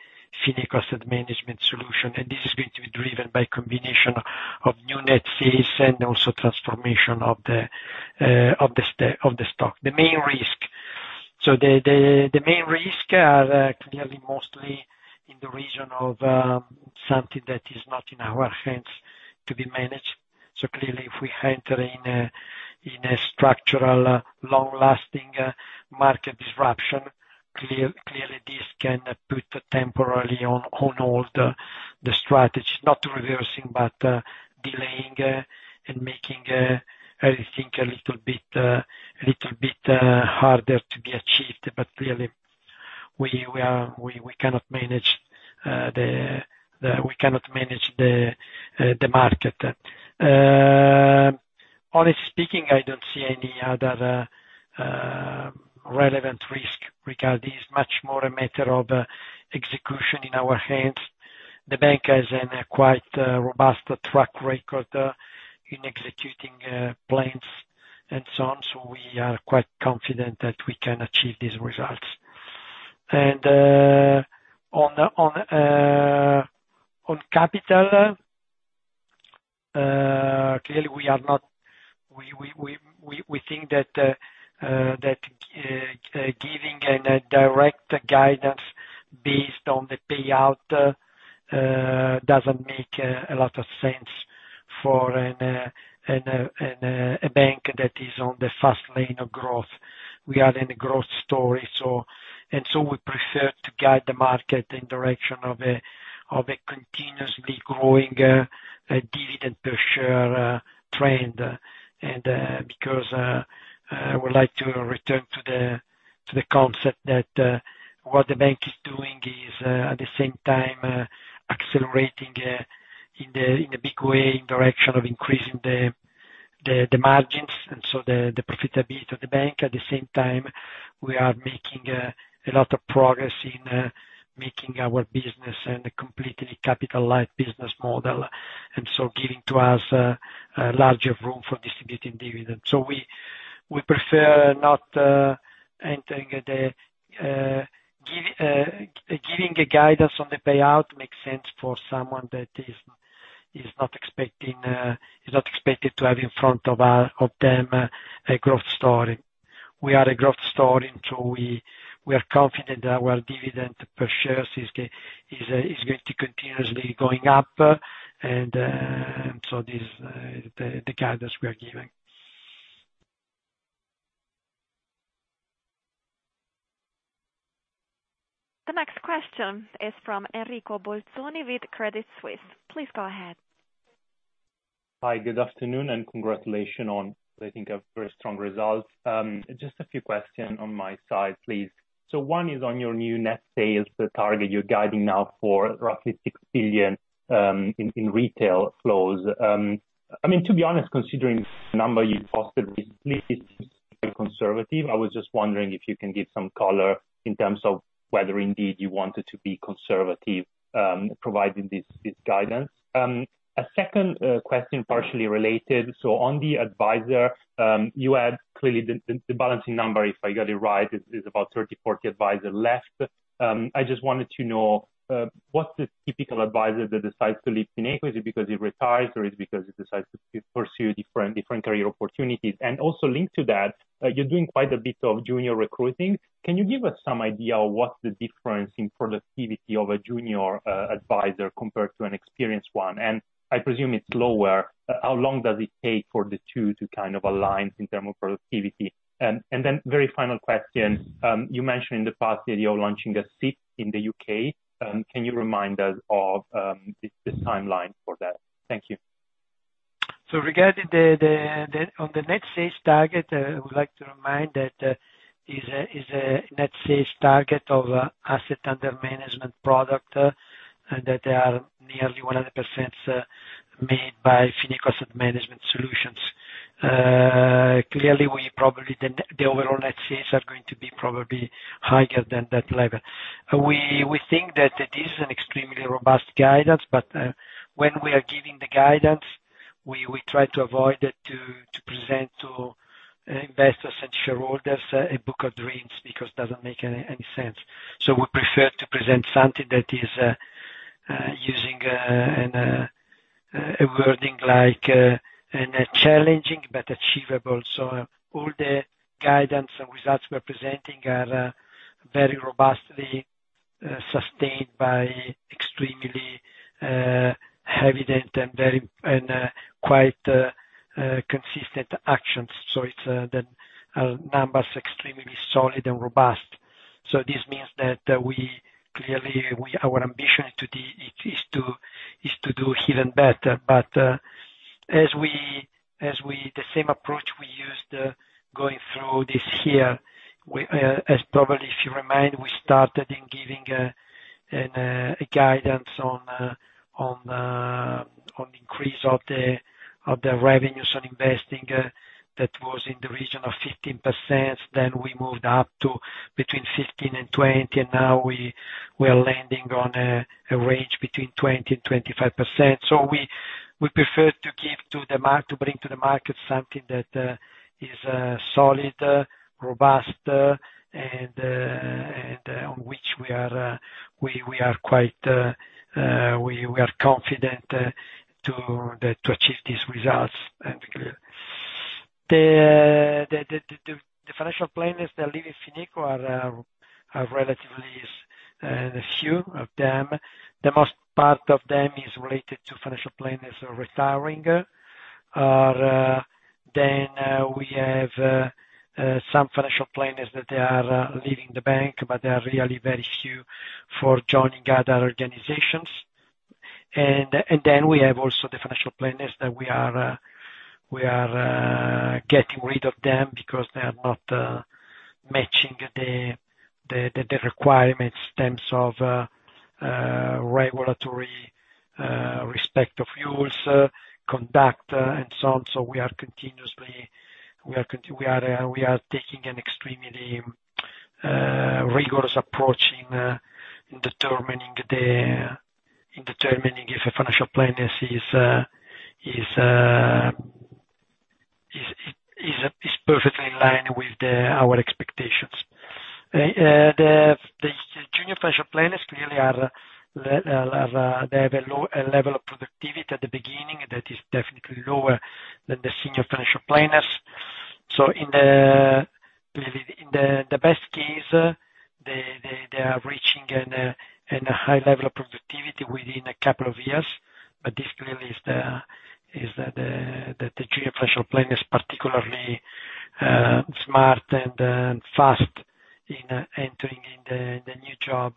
Fineco Asset Management solution. This is going to be driven by a combination of new net sales and also transformation of the stock. The main risk are clearly mostly in the region of something that is not in our hands to be managed. Clearly, if we enter a structural, long-lasting market disruption, clearly this can put temporarily on hold the strategy, not reversing it, but delaying it and making everything a little bit harder to be achieved. Really, we cannot manage the market. Honestly speaking, I don't see any other relevant risk. Regarding this, it is much more a matter of execution in our hands. The bank has a quite robust track record in executing plans and so on. We are quite confident that we can achieve these results. On capital, clearly we think that giving a direct guidance based on the payout doesn't make a lot of sense for a bank that is on the fast lane of growth. We are in a growth story; we prefer to guide the market in the direction of a continuously growing dividend per share trend. Because I would like to return to the concept that what the bank is doing is at the same time accelerating in a big way in the direction of increasing the margins and so the profitability of the bank. At the same time, we are making a lot of progress in making our business a completely capital-light business model, giving to us a larger room for distributing dividends. We prefer not entering the Giving a guidance on the payout makes sense for someone that is not expected to have in front of them a growth story. We are a growth story; we are confident that our dividend per share is going to continuously go up. This the guidance we are giving. The next question is from Enrico Bolzoni with Credit Suisse. Please go ahead. Hi, good afternoon, and congratulations on, I think, a very strong result. Just a few questions on my side, please. One is on your new net sales target. You're guiding now for roughly 6 billion in retail flows. To be honest, considering the number you posted recently, conservative, I was just wondering if you can give some color in terms of whether indeed you wanted to be conservative, providing this guidance? A second question, partially related. On the advisor, you had clearly the balancing number, if I got it right, is about 30-40 advisors left. I just wanted to know what typical advisor decides to leave Fineco? Is it because he retired, or is it because he decided to pursue different career opportunities? Also linked to that, you're doing quite a bit of junior recruiting. Can you give us some idea of what's the difference in productivity of a junior advisor compared to an experienced one? I presume it's lower. How long does it take for the two to align in terms of productivity? Then the very final question. You mentioned in the past that you're launching a SIPP in the U.K. Can you remind us of the timeline for that? Thank you. Regarding the net sales target, I would like to remind you that it is a net sales target of the AUM product and that they are nearly 100% made by Fineco Asset Management Solutions. Clearly, the overall net sales are going to be probably higher than that level. We think that it is extremely robust guidance, but when we are giving the guidance, we try to avoid presenting investors and shareholders with a book of dreams, because it doesn't make any sense. We prefer to present something that is using wording like challenging but achievable. All the guidance and results we're presenting are very robustly sustained by extremely evident and quite consistent actions. The numbers are extremely solid and robust. This means that clearly our ambition today is to do even better. The same approach we used going through this year, as probably if you remember, we started by giving guidance on an increase of the revenues on investing that was in the region of 15%, then we moved up to between 15%-20%, and now we are landing on a range between 20%-25%. We prefer to bring to the market something that is solid and robust and on which we are confident to achieve these results. The financial planners that are leaving Fineco are relatively few of them. Most of them are related to financial planners retiring. We have some financial planners that are leaving the bank; they are really very few, joining other organizations. We also have the financial planners that we are getting rid of them because they are not matching the requirements in terms of regulatory respect of rules, conduct, and so on. We are taking an extremely rigorous approach in determining if a financial planner is perfectly in line with our expectations. The junior financial planners clearly have a low level of productivity at the beginning that is definitely lower than the senior financial planners. In the best case, they are reaching a high level of productivity within a couple of years, but this clearly is that the junior financial planner is particularly smart and fast in entering the new job.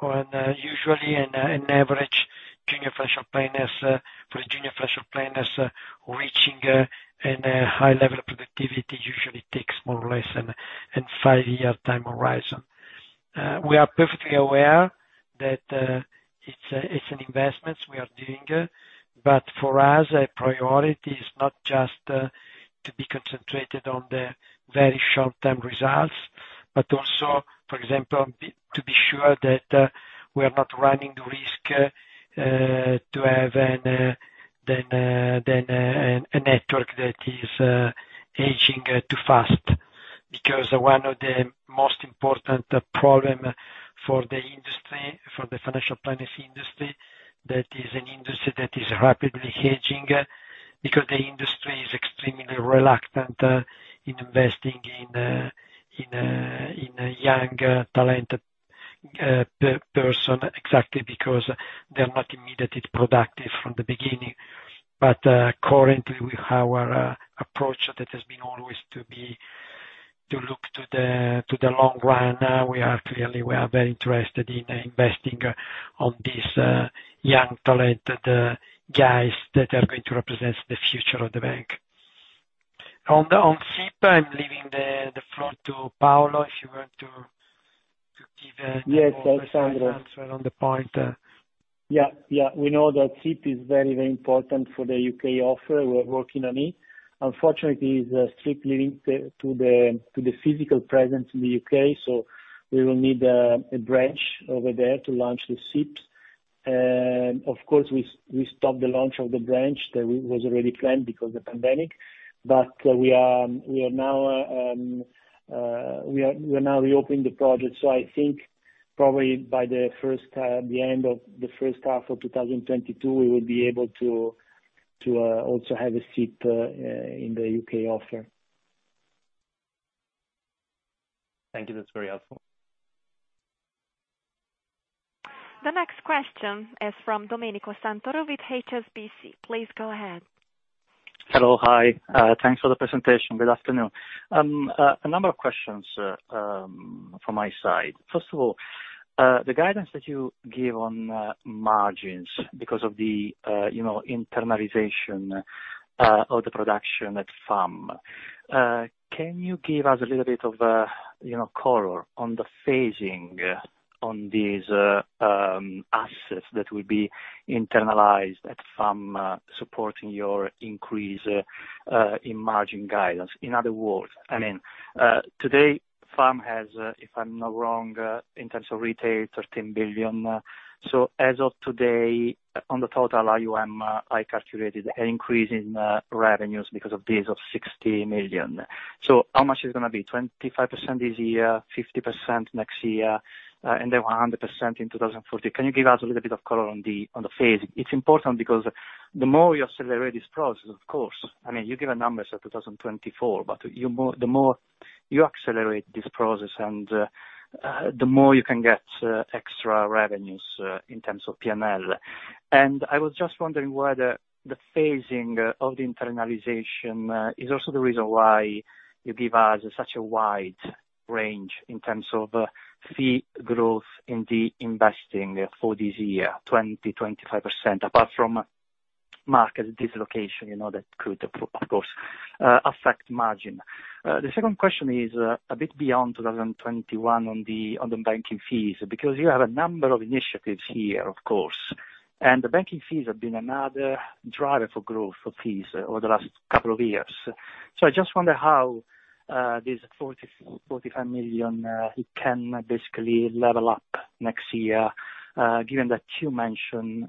Usually, for the junior financial planners, reaching a high level of productivity usually takes more or less than five years. We are perfectly aware that it's an investment we are doing. For us, a priority is not just to be concentrated on the very short-term results, but also, for example, to be sure that we are not running the risk of having a network that is aging too fast. One of the most important problems for the financial planning industry, that is an industry that is rapidly aging. The industry is extremely reluctant to invest in a young talented person, exactly because they're not immediately productive from the beginning. Currently, our approach that has always been to look to the long run. Clearly, we are very interested in investing in these young talented guys that are going to represent the future of the bank. On SIPP, I'm leaving the floor to Paolo, if you want to give— Yes, Alessandro. ...an answer on the point. Yeah. We know that SIPP is very important for the U.K. offer. We're working on it. Unfortunately, it's strictly linked to the physical presence in the U.K., so we will need a branch over there to launch the SIPPs. Of course, we stopped the launch of the branch that was already planned because of the pandemic. We are now reopening the project. I think probably by the end of the first half of 2022, we will be able to also have a SIPP in the U.K. offer. Thank you. That's very helpful. The next question is from Domenico Santoro with HSBC. Please go ahead. Hello. Hi. Thanks for the presentation. Good afternoon. A number of questions from my side. First of all, the guidance that you give on margins because of the internalization of the production at FAM. Can you give us a little bit of color on the phasing of these assets that will be internalized at FAM, supporting your increase in margin guidance? In other words, today, FAM has, if I'm not wrong, in terms of retail, 13 billion. As of today, on the total AUM, I calculated an increase in revenues because of this of 60 million. How much is it going to be? 25% this year, 50% next year, and then 100% in 2024? Can you give us a little bit of color on the phase? It's important because the more you accelerate this process, of course, you give a number, say 2024, but the more you accelerate this process, the more you can get extra revenues in terms of P&L. I was just wondering whether the phasing of the internalization is also the reason why you give us such a wide range in terms of fee growth in the investing for this year, 20%-25%, apart from market dislocation, which could, of course, affect margins. The second question is a bit beyond 2021 on the banking fees, because you have a number of initiatives here, of course. The banking fees have been another driver for growth for fees over the last couple of years. I just wonder how these 45 million can basically level up next year? given that you mentioned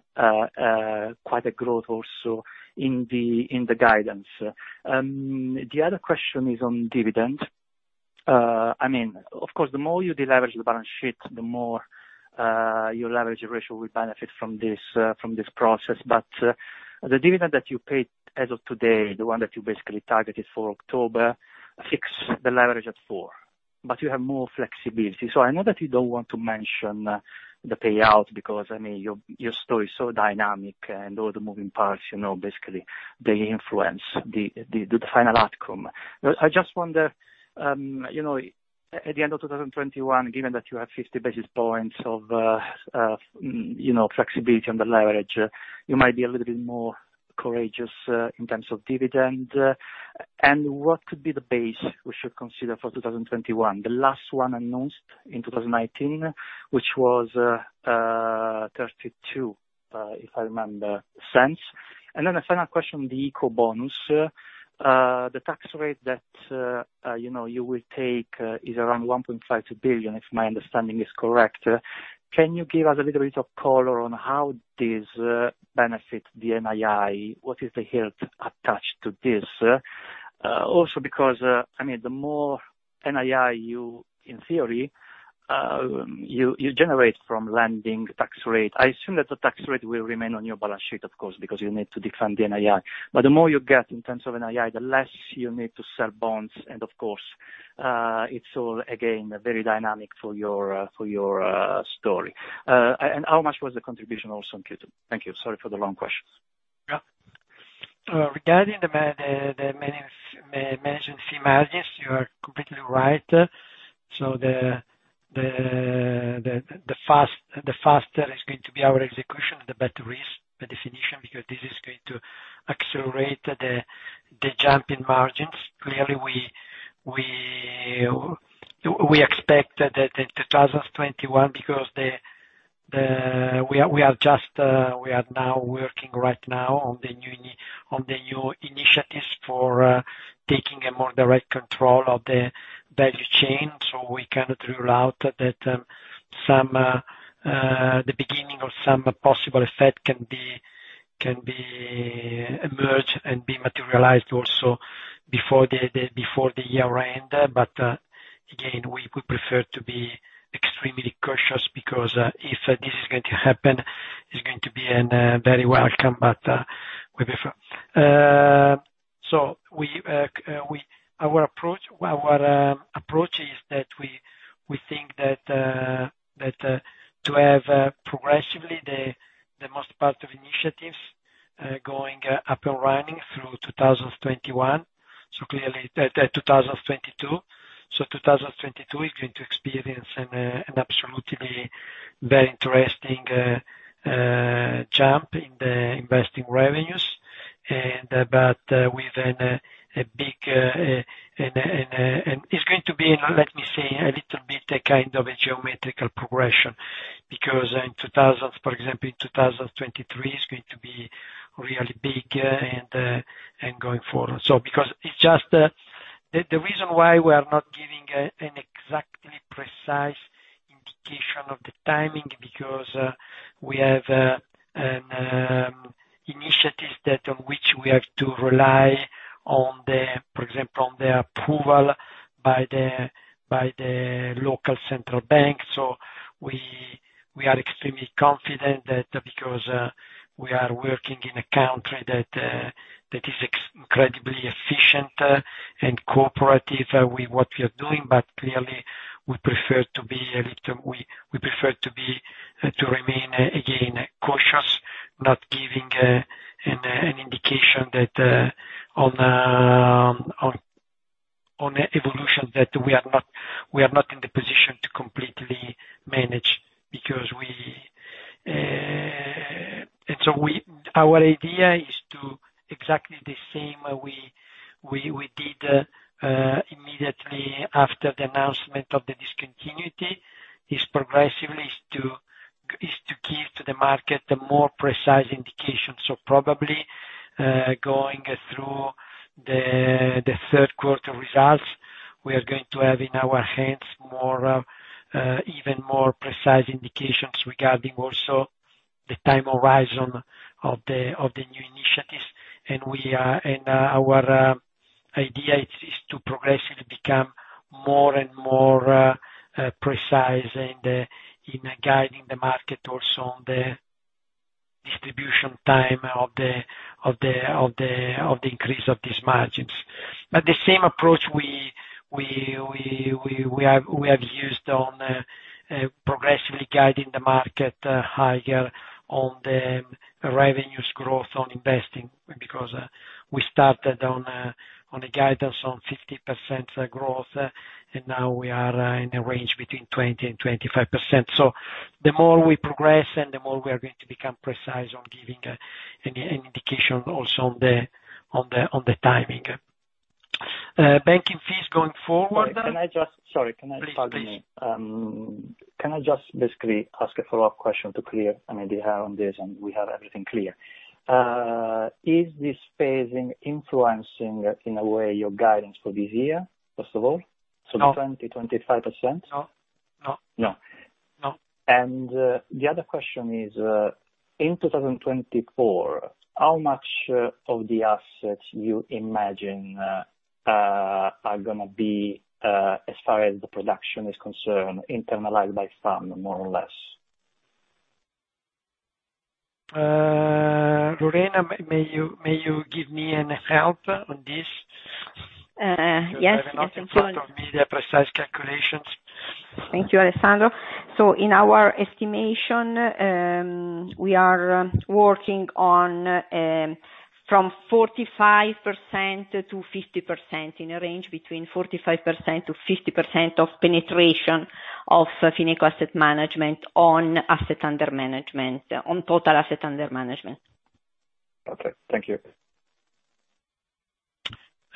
quite a bit of growth also in the guidance. The other question is on dividend. Of course, the more you deleverage the balance sheet, the more your leverage ratio will benefit from this process. The dividend that you paid as of today, the one that you basically targeted for October, fixed the leverage at four. You have more flexibility. I know that you don't want to mention the payout because your story is so dynamic and all the moving parts, basically, influence the final outcome. I just wonder, at the end of 2021, given that you have 50 basis points of flexibility on the leverage, if you might be a little bit more courageous in terms of dividends. What could be the base we should consider for 2021? The last one was announced in 2019, which was 0.32, if I remember. The final question is the Ecobonus. The tax rate that you will take is around 1.5 billion, if my understanding is correct. Can you give us a little bit of color on how this benefits the NII? What is the health attached to this? Because, in theory, the more NII you generate from lending, the lending assumes that the tax rate will remain on your balance sheet, of course, because you need to defend the NII. The more you get in terms of NII, the less you need to sell bonds. Of course, it's all again, very dynamic for your story. How much was the contribution also in Q2? Thank you. Sorry for the long questions. Yeah. Regarding the management fee margins, you are completely right. The faster is going to be our execution, the better is the definition, because this is going to accelerate the jump in margins. Clearly, we expect that in 2021 because we are now working right now on the new initiatives for taking a more direct control of the value chain. We cannot rule out that the beginning of some possible effect can emerge and be materialized also before the year end. Again, we prefer to be extremely cautious because if this is going to happen, it's going to be very welcome. Our approach is that we think that to have progressively the most part of initiatives going up and running through 2021. Clearly, 2022. 2022 is going to experience an absolutely very interesting jump in the investing revenues. It's going to be, let me say, a little bit of a kind of a geometrical progression. For example, in 2023, it's going to be really big going forward. The reason why we are not giving an exactly precise indication of the timing, because we have initiatives that on which we have to rely on the, for example, on the approval by the local central bank. We are extremely confident that because we are working in a country that is incredibly efficient and cooperative with what we are doing. Clearly, we prefer to remain, again, cautious, not giving an indication that on evolution, that we are not in the position to completely manage. Our idea is to exactly the same way we did immediately after the announcement of the discontinuity, progressively to give to the market a more precise indication. Probably, going through the third quarter results, we are going to have in our hands even more precise indications regarding also the time horizon of the new initiatives. Our idea is to progressively become more and more precise in guiding the market also on the distribution time of the increase of these margins. The same approach we have used on progressively guiding the market higher on the revenue growth, on investing. We started on a guidance on 50% growth, and now we are in a range between 20%-25%. The more we progress, the more we are going to become precise on giving an indication also on the timing. Banking fees going forward. Sorry. Please. Pardon me. Can I just basically ask a follow-up question to clear my mind around this, and we'll have everything clear? Is this phasing influencing, in a way, your guidance for this year, first of all? No. 20%, 25%? No. No. No. The other question is, in 2024, how much of the assets you imagine are going to be, as far as the production is concerned, internalized by some, more or less? Lorena, may you give me any help on this? Yes. I have not in front of me the precise calculations. Thank you, Alessandro. In our estimation, we are working on 45%-50%, a range between 45%-50% of penetration of Fineco Asset Management on total assets under management. Perfect. Thank you.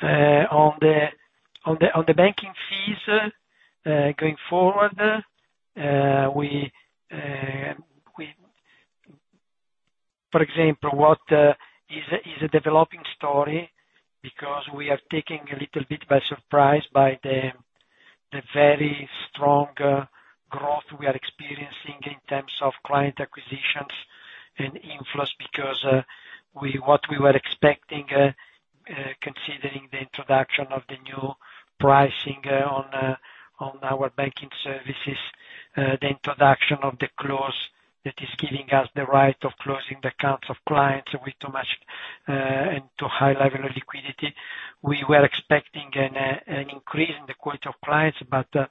On the banking fees, going forward, for example, what is a developing story because we are taken a little bit by surprise by the very strong growth we are experiencing in terms of client acquisitions and inflows? What we were expecting, considering the introduction of the new pricing on our banking services and the introduction of the clause that is giving us the right to close the accounts of clients with too much and too high a level of liquidity. We were expecting an increase in the quota of clients but, to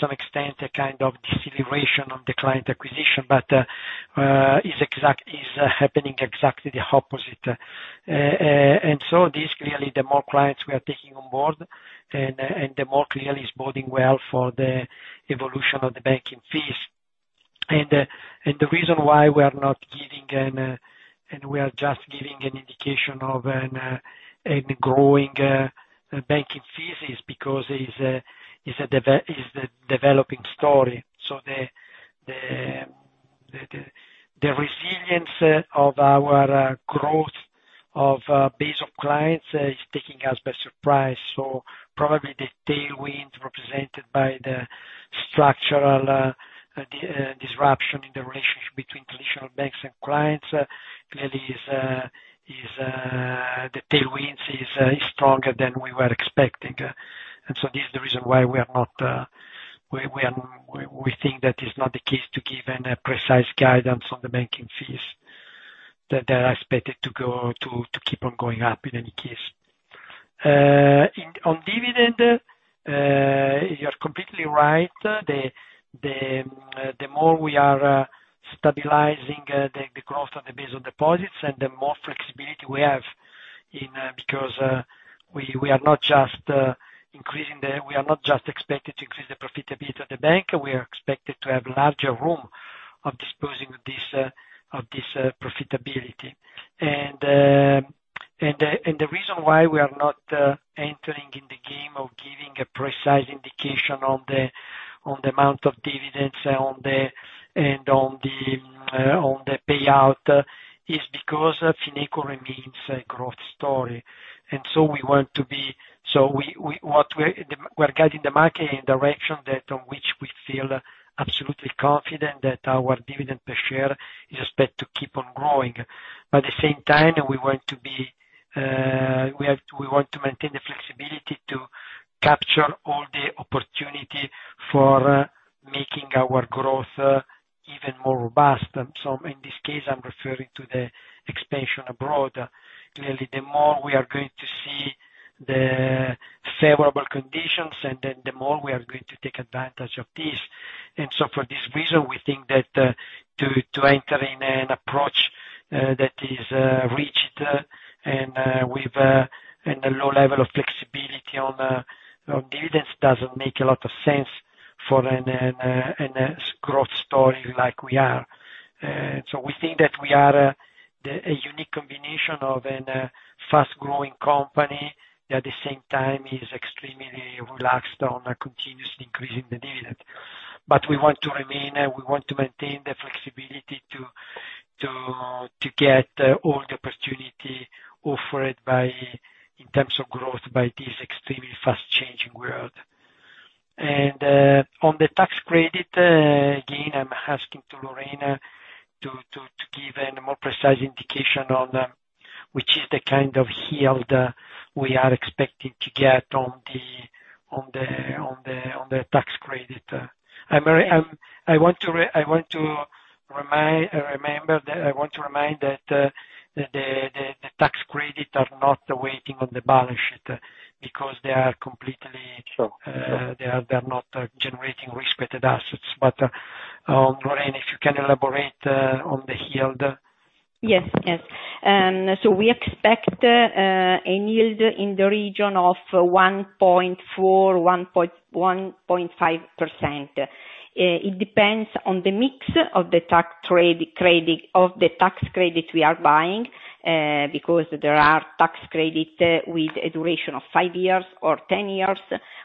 some extent, a kind of deceleration of client acquisition, but exactly the opposite is happening. This, clearly, the more clients we are taking on board, and the more clearly it is boding well for the evolution of the banking fees. The reason why we are just giving an indication of growing banking fees is because it is a developing story. The resilience of our growth of a base of clients is taking us by surprise. Probably the tailwind represented by the structural disruption in the relationship between traditional banks and clients. Clearly, the tailwind is stronger than we were expecting. This is the reason why we think that it's not the case to give any precise guidance on the banking fees that are expected to keep on going up in any case. On dividend, you're completely right. The more we stabilize the growth of the base of deposits and the more flexibility we have, because we are not just expected to increase the profitability of the bank. We are expected to have a larger room for disposing of this profitability. The reason why we are not entering into the game of giving a precise indication on the amount of dividends and on the payout is because Fineco remains a growth story. We're guiding the market in a direction in which we feel absolutely confident that our dividend per share is expected to keep on growing. At the same time, we want to maintain the flexibility to capture all the opportunity for making our growth even more robust. In this case, I'm referring to the expansion abroad. Clearly, the more we are going to see the favorable conditions, and then the more we are going to take advantage of this. For this reason, we think that entering an approach that is rigid and with a low level of flexibility on dividends doesn't make a lot of sense for a growth story like ours. We think that we are a unique combination of a fast-growing company that, at the same time, is extremely relaxed on continuously increasing the dividend. We want to maintain the flexibility to get all the opportunities offered in terms of growth by this extremely fast-changing world. On the tax credit, again, I'm asking Lorena to give a more precise indication of the kind of yield we are expecting to get on the tax credit. I want to remind you that the tax credits are not waiting on the balance sheet, because they are not generating risk-weighted assets. Lorena, can you elaborate on the yield? Yes. We expect a yield in the region of 1.4%, 1.5%. It depends on the mix of the tax credit we are buying, because there are tax credits with a duration of five years or 10 years.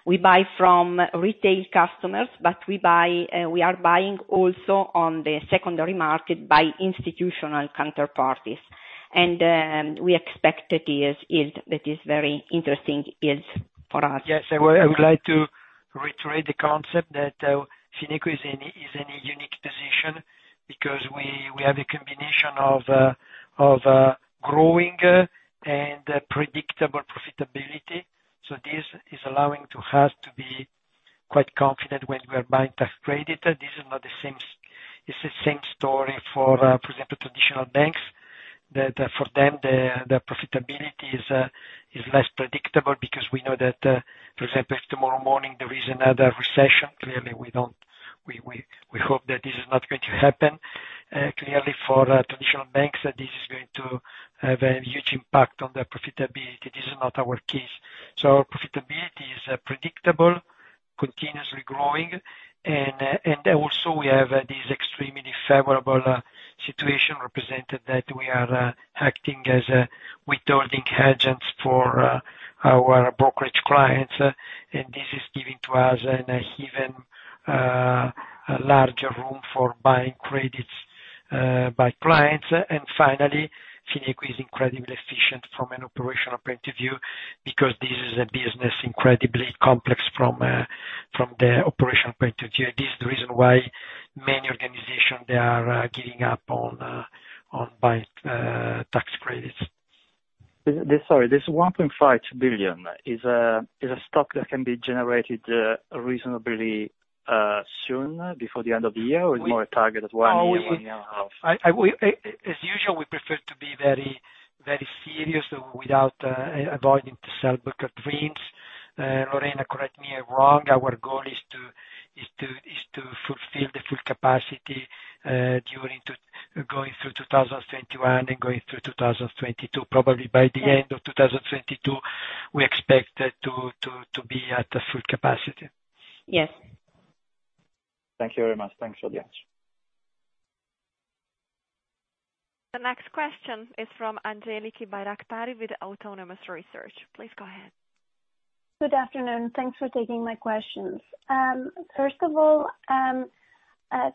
We buy from retail customers, but we are also buying on the secondary market from institutional counterparties. We expect this yield. That is a very interesting yield for us. Yes, I would like to reiterate the concept that Fineco is in a unique position because we have a combination of growing and predictable profitability. This is allowing us to be quite confident when we are buying tax credits. It's the same story for, for example, traditional banks; for them, their profitability is less predictable because we know that, for example, if tomorrow morning there is another recession, clearly we hope that this is not going to happen. Clearly, for traditional banks, this is going to have a huge impact on their profitability. This is not our case. Our profitability is predictable and continuously growing, and also we have this extremely favorable situation represented that we are acting as withholding agents for our brokerage clients. This is giving to us an even larger room for buying credits from clients. Finally, Fineco is incredibly efficient from an operational point of view because this is a business incredibly complex from the operational point of view. This is the reason why many organizations are giving up on buying tax credits. This 1.5 billion is a stock that can be generated reasonably soon, before the end of the year, or is it more a target of one year or one year and a half? As usual, we prefer to be very serious without avoiding selling bucket dreams. Lorena, correct me if I'm wrong. Our goal is to fulfill the full capacity going through 2021 and going through 2022. Probably by the end of 2022, we expect to be at full capacity. Yes. Thank you very much. Thanks a lot. The next question is from Angeliki Bairaktari with Autonomous Research. Please go ahead. Good afternoon. Thanks for taking my questions. First of all,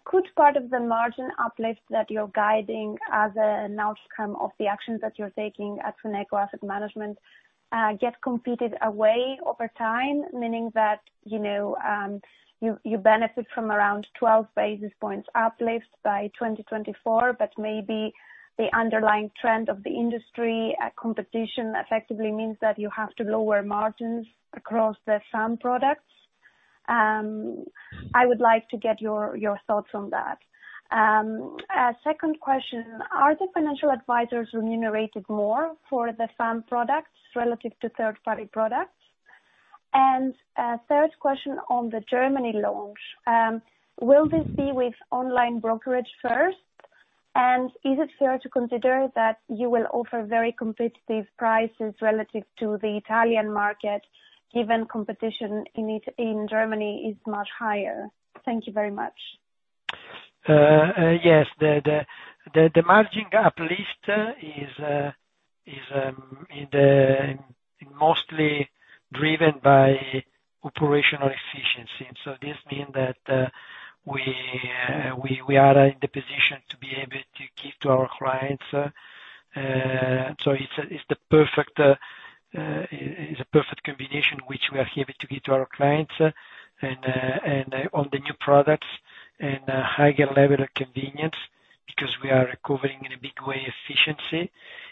could part of the margin uplift that you're guiding as an outcome of the actions that you're taking at Fineco Asset Management get competed away over time? Meaning that you benefit from around a 12 basis point uplift by 2024, but maybe the underlying trend of the industry competition effectively means that you have to lower margins across the FAM products. I would like to get your thoughts on that. Second question, are the financial advisors remunerated more for the FAM products relative to third-party products? Third question on the Germany launch. Will this be with online brokerage first? Is it fair to consider that you will offer very competitive prices relative to the Italian market, given competition in Germany is much higher? Thank you very much. The margin uplift is mostly driven by operational efficiency. This means that we are in a position to be able to give to our clients. It is a perfect combination, which we are able to give to our clients, and all the new products and a higher level of convenience, because we are recovering in a big way efficiency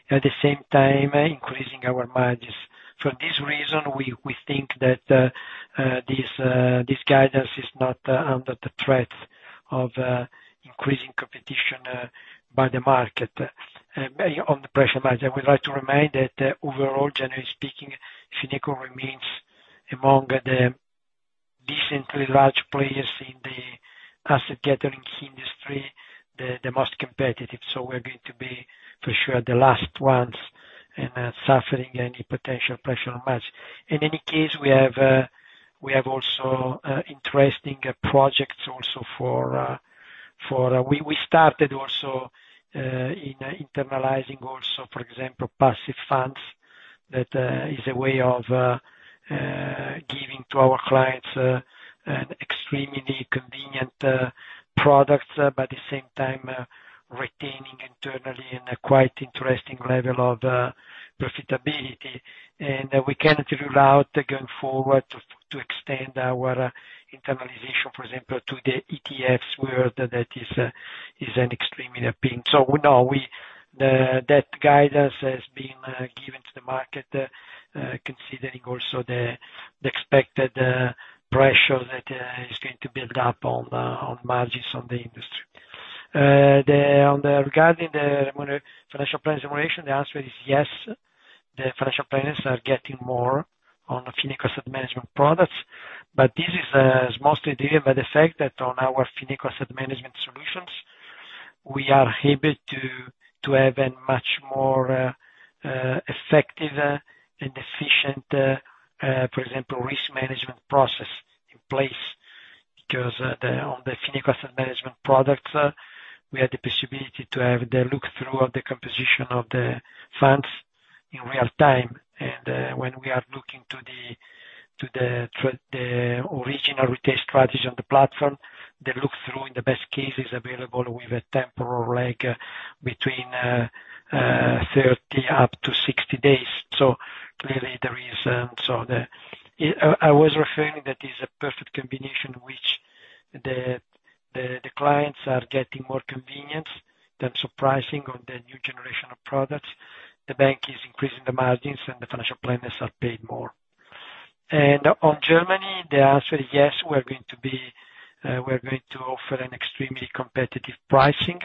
and, at the same time, increasing our margins. For this reason, we think that this guidance is not under the threat of increasing competition by the market. On the pressure margin, we would like to remind you that overall, generally speaking, Fineco remains among the decently large players in the asset-gathering industry, the most competitive. We are going to be, for sure, the last ones in suffering any potential pressure on margin. In any case, we also have interesting projects. We started internalizing, for example, passive funds, which is a way of giving to our clients extremely convenient products but at the same time retaining internally a quite interesting level of profitability, and we cannot rule out going forward to extend our internalization, for example, to the ETFs, where that is extremely appealing. No, that guidance has been given to the market, considering also the expected pressure that is going to build up on margins in the industry. Regarding the financial planners' remuneration, the answer is yes, the financial planners are getting more on Fineco Asset Management products, but this is mostly driven by the fact that on our Fineco Asset Management solutions, we are able to have a much more effective and efficient, for example, risk management process in place. On the Fineco Asset Management products, we had the possibility to have the look-through of the composition of the funds in real time. When we are looking at the original retail strategy on the platform, the look-through, in the best case, is available with a temporal lag between 30 and 60 days. I was referring to that as a perfect combination, in which the clients are getting more convenience in terms of pricing on the new generation of products. The bank is increasing the margins, and the financial planners are paid more. In Germany, the answer is yes, we're going to offer extremely competitive pricing.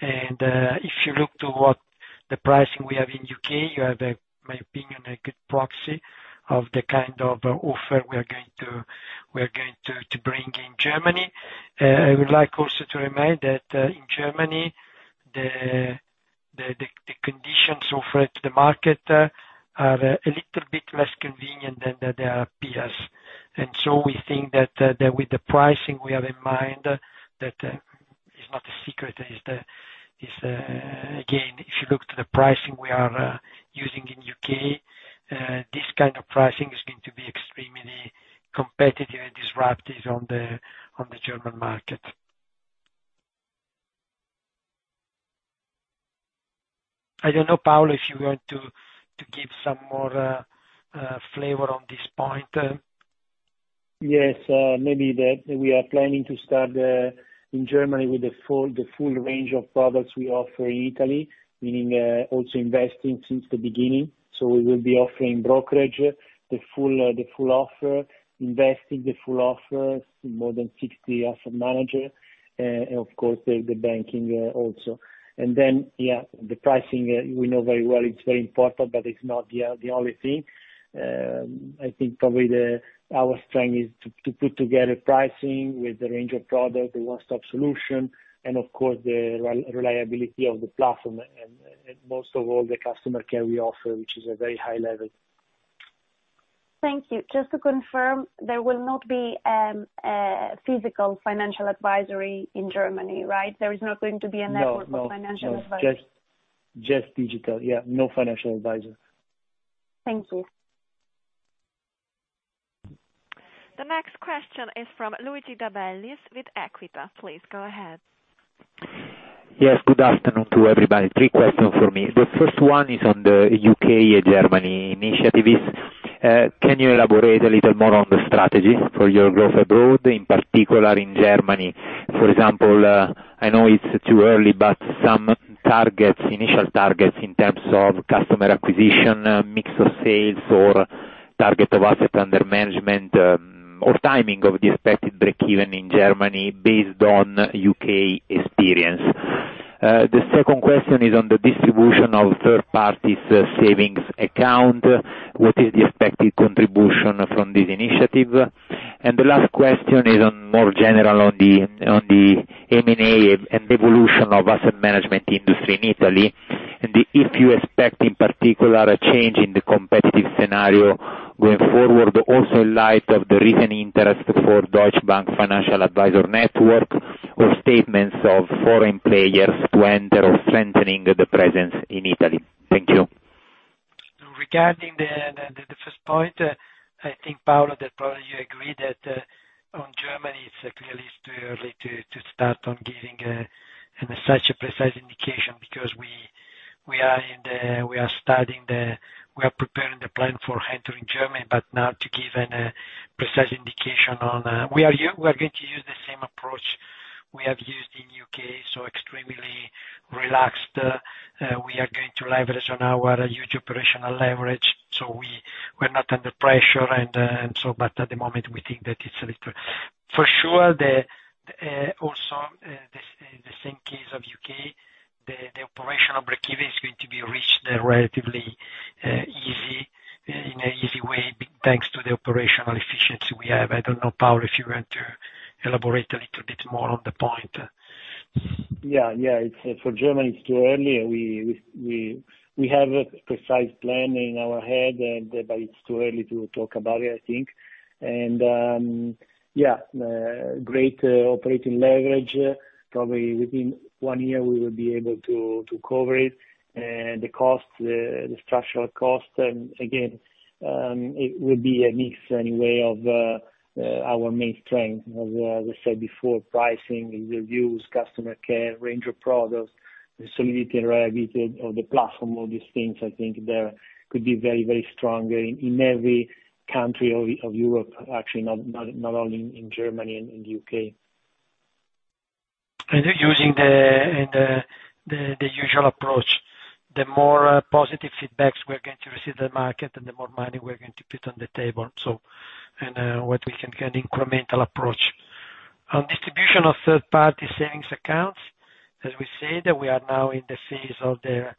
If you look at the pricing we have in the U.K., you have, in my opinion, a good proxy of the kind of offer we are going to bring in Germany. I would also like to remind you that in Germany, the conditions offered to the market are a little bit less convenient than their peers. We think that with the pricing we have in mind, that is not a secret. Again, if you look at the pricing we are using in the U.K., this kind of pricing is going to be extremely competitive and disruptive on the German market. I don't know, Paolo, if you want to give some more flavor on this point. Yes. We are planning to start in Germany with the full range of products we offer in Italy, meaning also investing since the beginning. We will be offering brokerage, the full offer, investing the full offer, more than 60 asset managers, and, of course, banking also. The pricing, we know very well, is very important, but it's not the only thing. I think probably our strength is to put together pricing with the range of products, a one-stop solution, and, of course, the reliability of the platform and most of all, the customer care we offer, which is a very high level. Thank you. Just to confirm, there will not be a physical financial advisory in Germany, right? There is not going to be a network of financial advisors. No. Just digital. Yeah, no financial advisor. Thank you. The next question is from Luigi De Bellis with Equita. Please go ahead. Good afternoon to everybody. Three questions for me. The first one is on the U.K. and German initiatives. Can you elaborate a little more on the strategy for your growth abroad, in particular in Germany? For example, I know it's too early, but some initial targets in terms of customer acquisition, mix of sales, target of Assets Under Management, or timing of the expected breakeven in Germany are based on U.K. experience. The second question is on the distribution of third parties' savings accounts. What is the expected contribution from this initiative? The last question is more general on the M&A and evolution of the asset management industry in Italy, and if you expect, in particular, a change in the competitive scenario going forward, also in light of the recent interest in the Deutsche Bank Financial Advisors network or statements of foreign players to enter or strengthen their presence in Italy? Thank you. Regarding the first point, I think, Paolo, that probably you agree that in Germany it's clearly too early to start on giving such a precise indication, because we are preparing the plan for entering Germany, but now to give a precise indication that we are going to use the same approach we have used in the U.K. is extremely relaxed. We are going to leverage our huge operational leverage, so we're not under pressure. At the moment, we think that for sure, also in the same case as the U.K., the operational breakeven is going to be reached in an easy way, thanks to the operational efficiency we have. I don't know, Paolo, if you want to elaborate a little bit more on the point. Yeah. For Germany, it's too early. We have a precise plan in our head; it's too early to talk about it, I think. Yeah, great operating leverage. Probably within one year, we will be able to cover it. The structural cost, again, will be a mix anyway of our main strength, as I said before: pricing, ease of use, customer care, range of products, the solidity and reliability of the platform. I think all these things could be very strong in every country of Europe, actually, not only in Germany and U.K. Using the usual approach, the more positive feedback we're going to receive from the market, the more money we're going to put on the table. What we can get is an incremental approach. On distribution of third-party savings accounts, as we said, we are now in the phase of the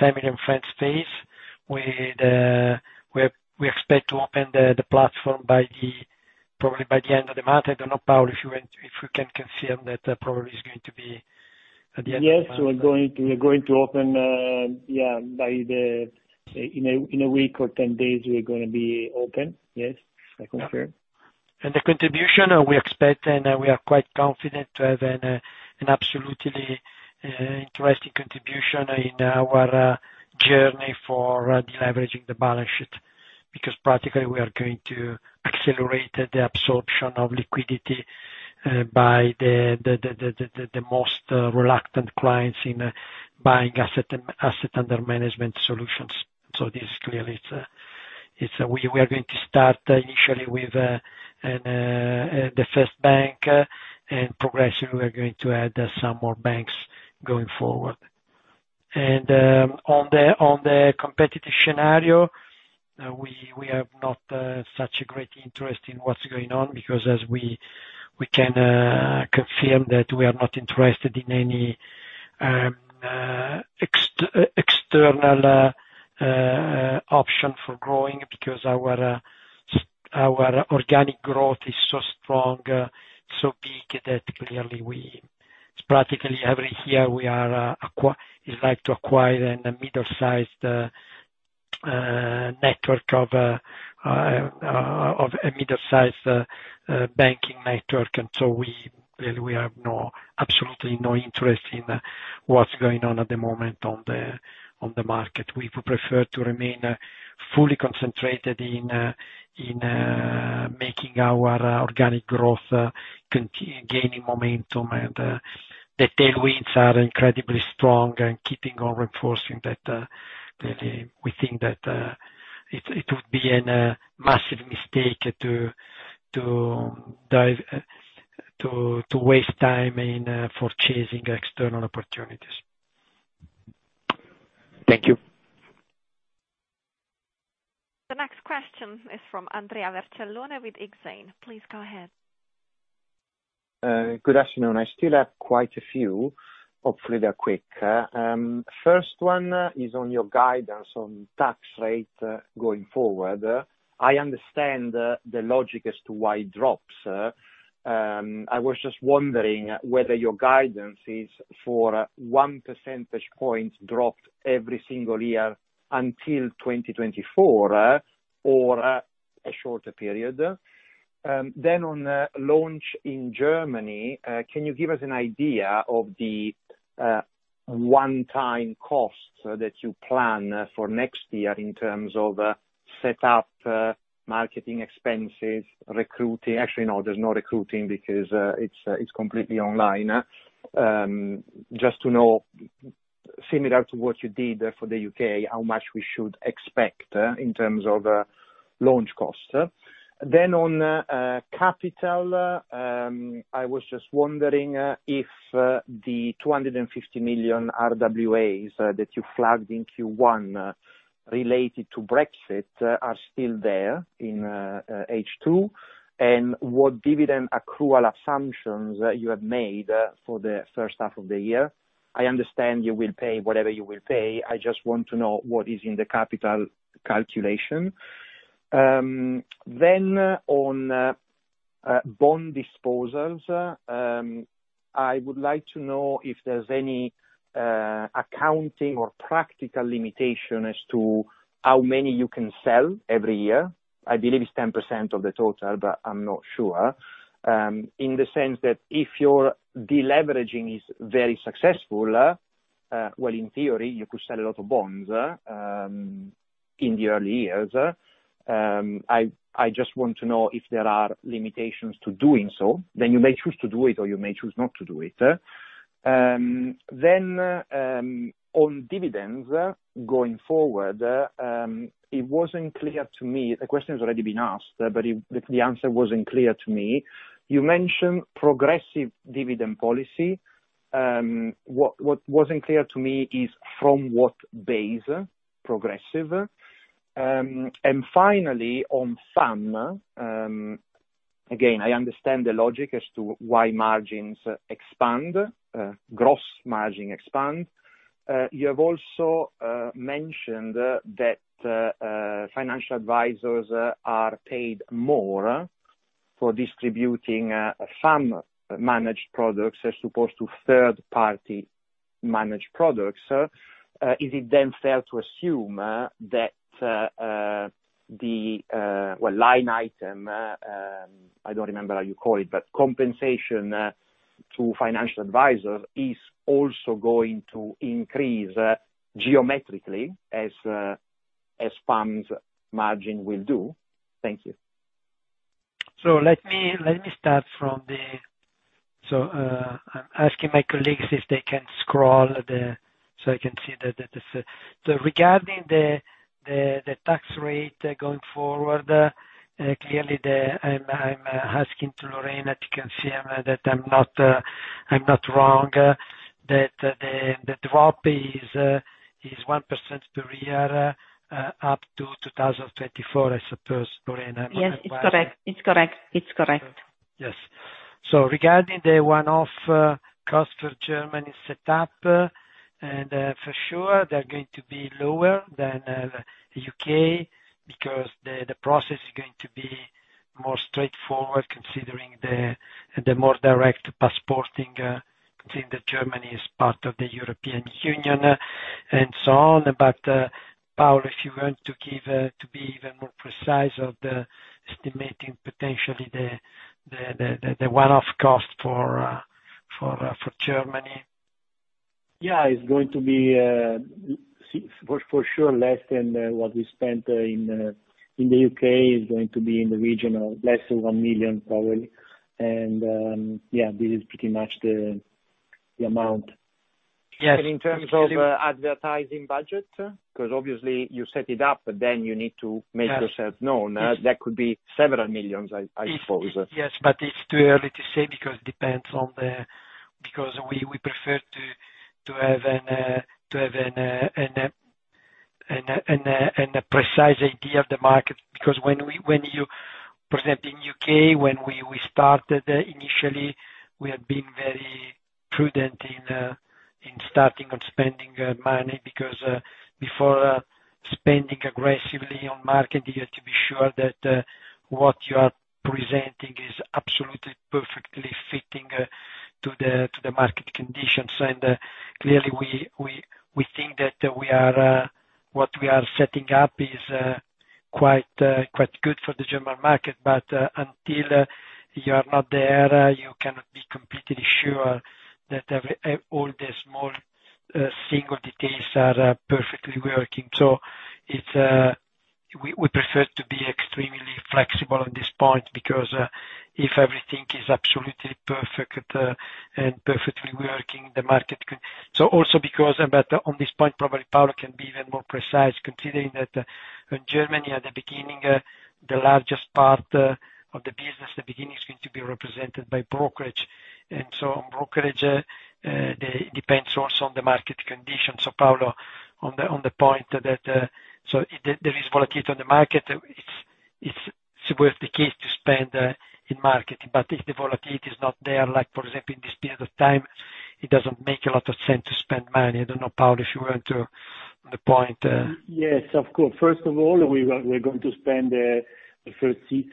family and friends space. We expect to open the platform probably by the end of the month. I don't know, Paolo, if you can confirm that it probably is going to be at the end of the month. Yes, we're going to open; in a week or 10 days, we're going to be open. Yes. I confirm. The contribution we expect, and we are quite confident to have an absolutely interesting contribution in our journey for deleveraging the balance sheet. Practically, we are going to accelerate the absorption of liquidity by the most reluctant clients in buying Assets Under Management solutions. Clearly, we are going to start initially with the first bank, and progressively we're going to add some more banks going forward. In the competitive scenario, we do not have such a great interest in what's going on because, as we can confirm, we are not interested in any external option for growing because our organic growth is so strong, so big, that clearly practically every year we like to acquire a middle-sized banking network. We have absolutely no interest in what's going on at the moment on the market. We prefer to remain fully concentrated on making our organic growth gain momentum, and the tailwinds are incredibly strong and keep on reinforcing that. Really, we think that it would be a massive mistake to waste time in chasing external opportunities. Thank you. The next question is from Andrea Vercellone with Exane. Please go ahead. Good afternoon. I still have quite a few. Hopefully, they're quick. The first one is on your guidance on the tax rate going forward. I understand the logic as to why it drops. I was just wondering whether your guidance is for one percentage point to drop every single year until 2024 or a shorter period. On launch in Germany, can you give us an idea of the one-time costs that you plan for next year in terms of setup, marketing expenses, and recruiting? Actually, no, there's no recruiting because it's completely online. Just to know, similar to what you did for the U.K., how much we should expect in terms of launch costs. On capital, I was just wondering if the 250 million RWAs that you flagged in Q1 related to Brexit are still there in H2, and what dividend accrual assumptions you have made for the first half of the year? I understand you will pay whatever you will pay. I just want to know what is in the capital calculation. On bond disposals, I would like to know if there's any accounting or practical limitation as to how many you can sell every year. I believe it's 10% of the total, but I'm not sure. In the sense that if your deleveraging is very successful, well, in theory, you could sell a lot of bonds in the early years. I just want to know if there are limitations to doing so. Then you may choose to do it or you may choose not to do it. On dividends going forward, it wasn't clear to me; the question's already been asked, but the answer wasn't clear to me. You mentioned progressive dividend policy. What wasn't clear to me is what base is progressive? Finally, on FAM. Again, I understand the logic as to why margins expand, gross margins expand. You have also mentioned that financial advisors are paid more for distributing FAM-managed products as opposed to third-party-managed products. Is it then fair to assume that the line item, I don't remember how you call it, but compensation to financial advisor is also going to increase geometrically as FAM's margin will do? Thank you. Let me start. I am asking my colleagues if they can scroll. I can see that. Regarding the tax rate going forward, clearly, I am asking Lorena to confirm that I am not wrong, that the drop is 1% per year up to 2024, I suppose. Lorena, am I right? Yes, it's correct. Yes. Regarding the one-off cost for Germany setup, for sure they're going to be lower than in the U.K. because the process is going to be more straightforward, considering the more direct passporting, considering that Germany is part of the European Union, and so on. Paolo, if you want to be even more precise, estimate potentially the one-off cost for Germany. It's going to be, for sure, less than what we spent in the U.K. It's going to be in the region of less than 1 million, probably. This is pretty much the amount. Yes. In terms of advertising budget, because obviously you set it up, but then you need to make yourself known. That could be several million, I suppose. Yes, it's too early to say because we prefer to have a precise idea of the market. When you present in the U.K., when we started, initially, we had been very prudent in starting to spend money, because before spending aggressively on the market, you have to be sure that what you are presenting is absolutely perfectly fitting to the market conditions. Clearly, we think that what we are setting up is quite good for the German market. Until you are there, you cannot be completely sure that all the small single details are perfectly working. We prefer to be extremely flexible on this point, because if everything is absolutely perfect and perfectly working, the market could. Also because, on this point, probably Paolo can be even more precise, considering that in Germany, at the beginning, the largest part of the business is going to be represented by brokerage. On brokerage, it also depends on the market conditions. Paolo, on the point that there is volatility on the market, it's worth the case to spend on marketing. If the volatility is not there, like for example, in this period of time, it doesn't make a lot of sense to spend money. I don't know, Paolo, if you want to be on the point. Yes, of course. First of all, we're going to spend the first six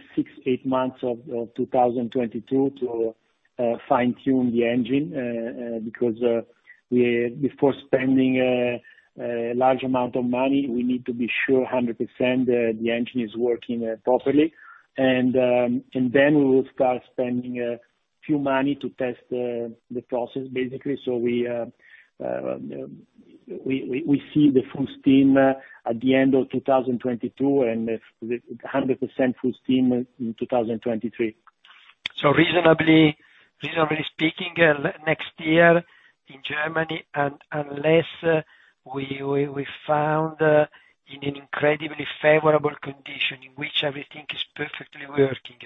or eight months of 2022 to fine-tune the engine. Because before spending a large amount of money, we need to be sure 100% that the engine is working properly. Then we will start spending a little money to test the process, basically. We see the full steam at the end of 2022 and 100% full steam in 2023. Reasonably speaking, next year in Germany, unless we find an incredibly favorable condition in which everything is perfectly working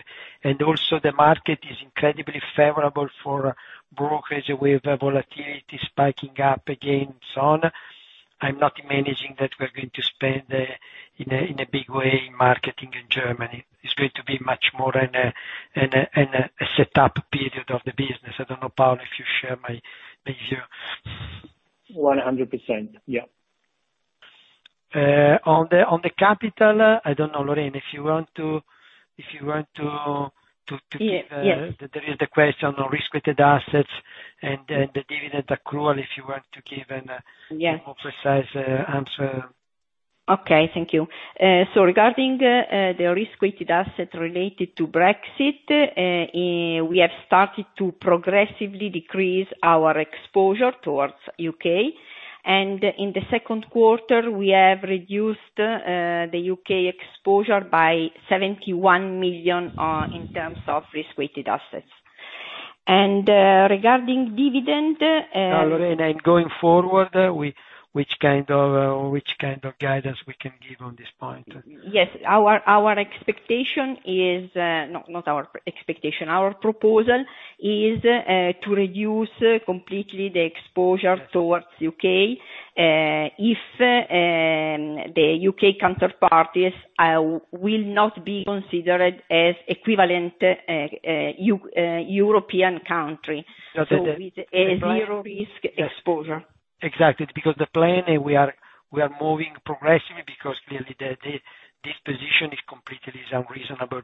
and also the market is incredibly favorable for brokerage with the volatility spiking up again, and so on. I'm not managing the fact that we're going to spend in a big way in marketing in Germany. It's going to be much more in a set-up period of the business. I don't know, Paolo, if you share my view. 100%, yeah. On the capital, I don't know, Lorena, if you want to give— Yes There is the question on risk-weighted assets and the dividend accrual, if you want to give a more precise answer. Okay, thank you. Regarding the risk-weighted asset related to Brexit, we have started to progressively decrease our exposure to the U.K. In the second quarter, we have reduced the U.K. exposure by $71 million in terms of risk-weighted assets. Regarding dividends. Lorena, going forward, what kind of guidance can we give on this point? Yes. Our expectation is not our expectation. Our proposal is to reduce completely the exposure to the U.K. If the U.K. counterparties will not be considered as equivalent European countries. Got it. With zero risk exposure. Exactly. The plan: we are moving progressively because clearly this position is completely unreasonable.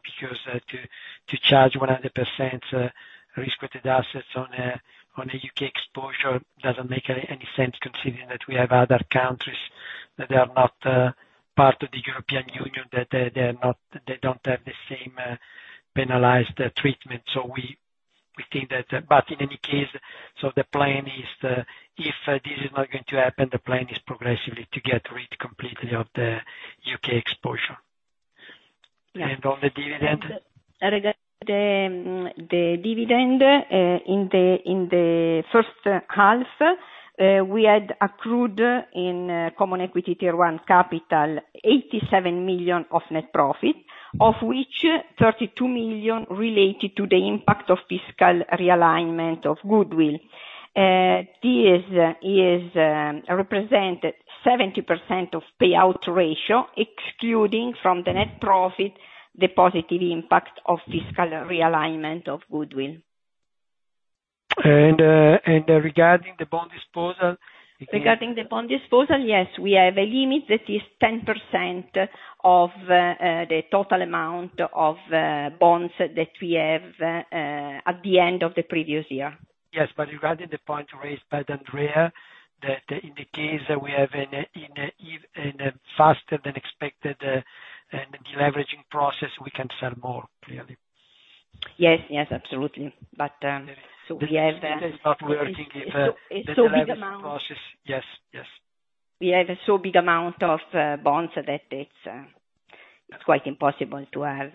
To charge 100% risk-weighted assets on a U.K. exposure doesn't make any sense, considering that we have other countries that are not part of the European Union and that they don't have the same penalized treatment. We think that. In any case, the plan is, if this is not going to happen, the plan is progressively to get rid completely of the U.K. exposure. On the dividend? Regarding the dividend, in the first half, we had Common Equity Tier 1 capital eur 87 million of net profit, of which 32 million related to the impact of fiscal realignment of goodwill. This represented a 70% payout ratio, excluding from the net profit the positive impact of fiscal realignment of goodwill. Regarding the bond disposal? Regarding the bond disposal, yes. We have a limit that is 10% of the total amount of bonds that we have at the end of the previous year. Yes, regarding the point raised by Andrea, in the case that we have a faster than expected deleveraging process, we can sell more, clearly. Yes. Absolutely. This is not working with the deleveraging process. Yes. We have such a big amount of bonds that it's quite impossible to have.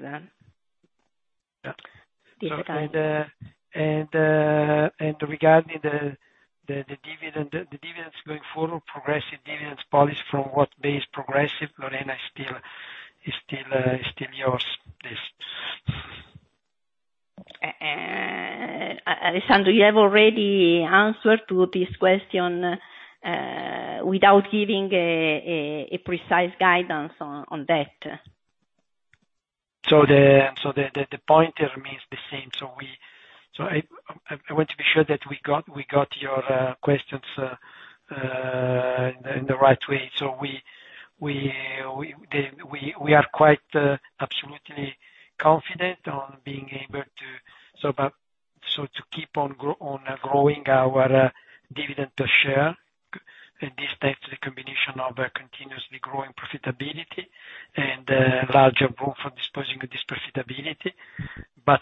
Yeah. Regarding the dividends going forward, progressive dividends policy from what base is progressive, Lorena? Is it still yours? Please. Alessandro, you have already answered this question without giving precise guidance on that. The point remains the same. I want to be sure that we got your questions in the right way. We are quite absolutely confident on being able to keep on growing our dividend share. This takes the combination of continuously growing profitability and a larger room for deploying this profitability.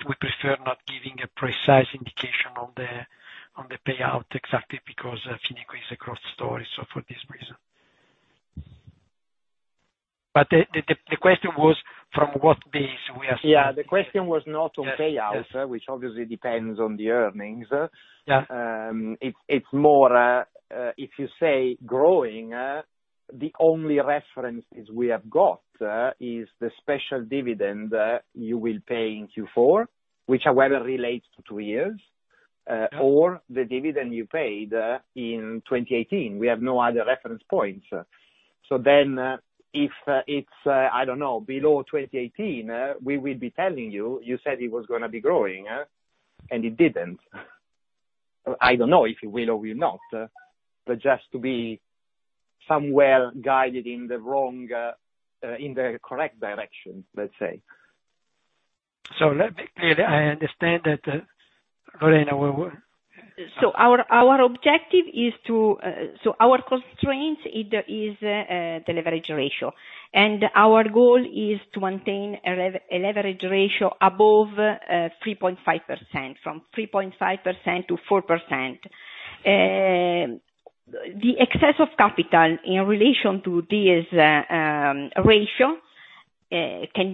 We prefer not giving a precise indication on the payout exactly because Fineco is a growth story, so for this reason. The question was from what base we are starting from. Yeah, the question was not on payout, which obviously depends on the earnings. Yeah. It's more if you say growing, the only references we have are the special dividend you will pay in Q4, which, however, relates to two years, or the dividend you paid in 2018. We have no other reference points. If it's below 2018, we will be telling you it said it was going to be growing, and it didn't. I don't know if it will or will not, but just to be somewhere guided in the correct direction, let's say. Let me be clear. I understand that, Lorena. Our constraint is the leverage ratio. Our goal is to maintain a leverage ratio above 3.5%, from 3.5%-4%. The excess of capital in relation to this ratio can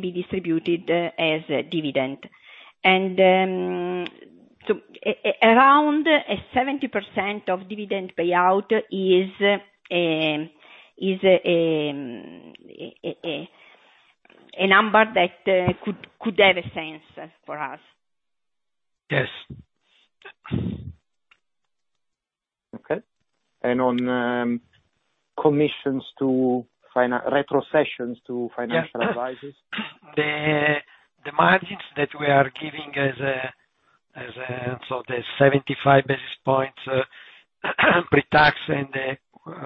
be distributed as a dividend. Around 70% dividend payout is a number that could have sense for us. Yes. Okay. On commissions to retrocessions to financial advisors? The 75 basis points pre-tax and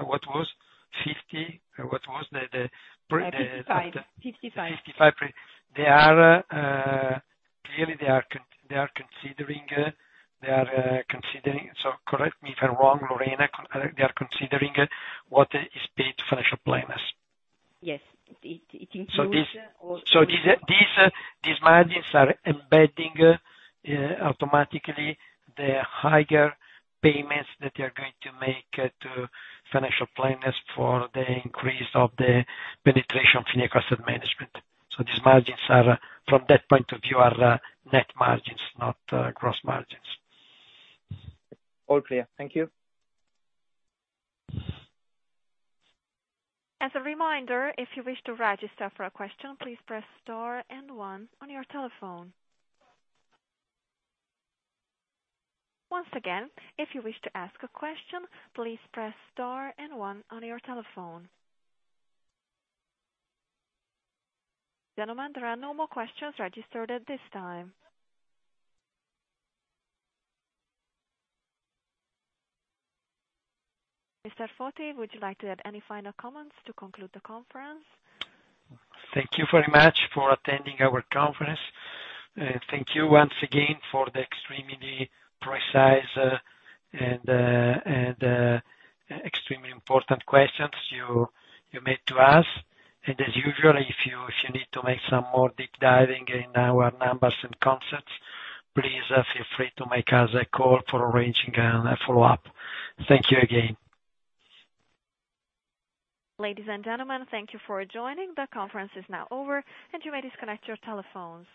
what was? 50? What was that? 55. 55. Clearly they are considering, so correct me if I'm wrong, Lorena; they are considering what is paid to financial planners. Yes. It includes. These margins are embedding automatically the higher payments that we are going to make to financial planners for the increase of the penetration of Fineco Asset Management. These margins, from that point of view, are net margins, not gross margins. All clear. Thank you. As a reminder, if you wish to register for a question, please press star and one on your telephone. Once again, if you wish to ask a question, please press star and one on your telephone. Gentlemen, there are no more questions registered at this time. Mr. Foti, would you like to add any final comments to conclude the conference? Thank you very much for attending our conference. Thank you once again for the extremely precise and extremely important questions you asked us. As usual, if you need to do some more deep diving in our numbers and concepts, please feel free to make us a call for arranging a follow-up. Thank you again. Ladies and gentlemen, thank you for joining. The conference is now over, and you may disconnect your telephones.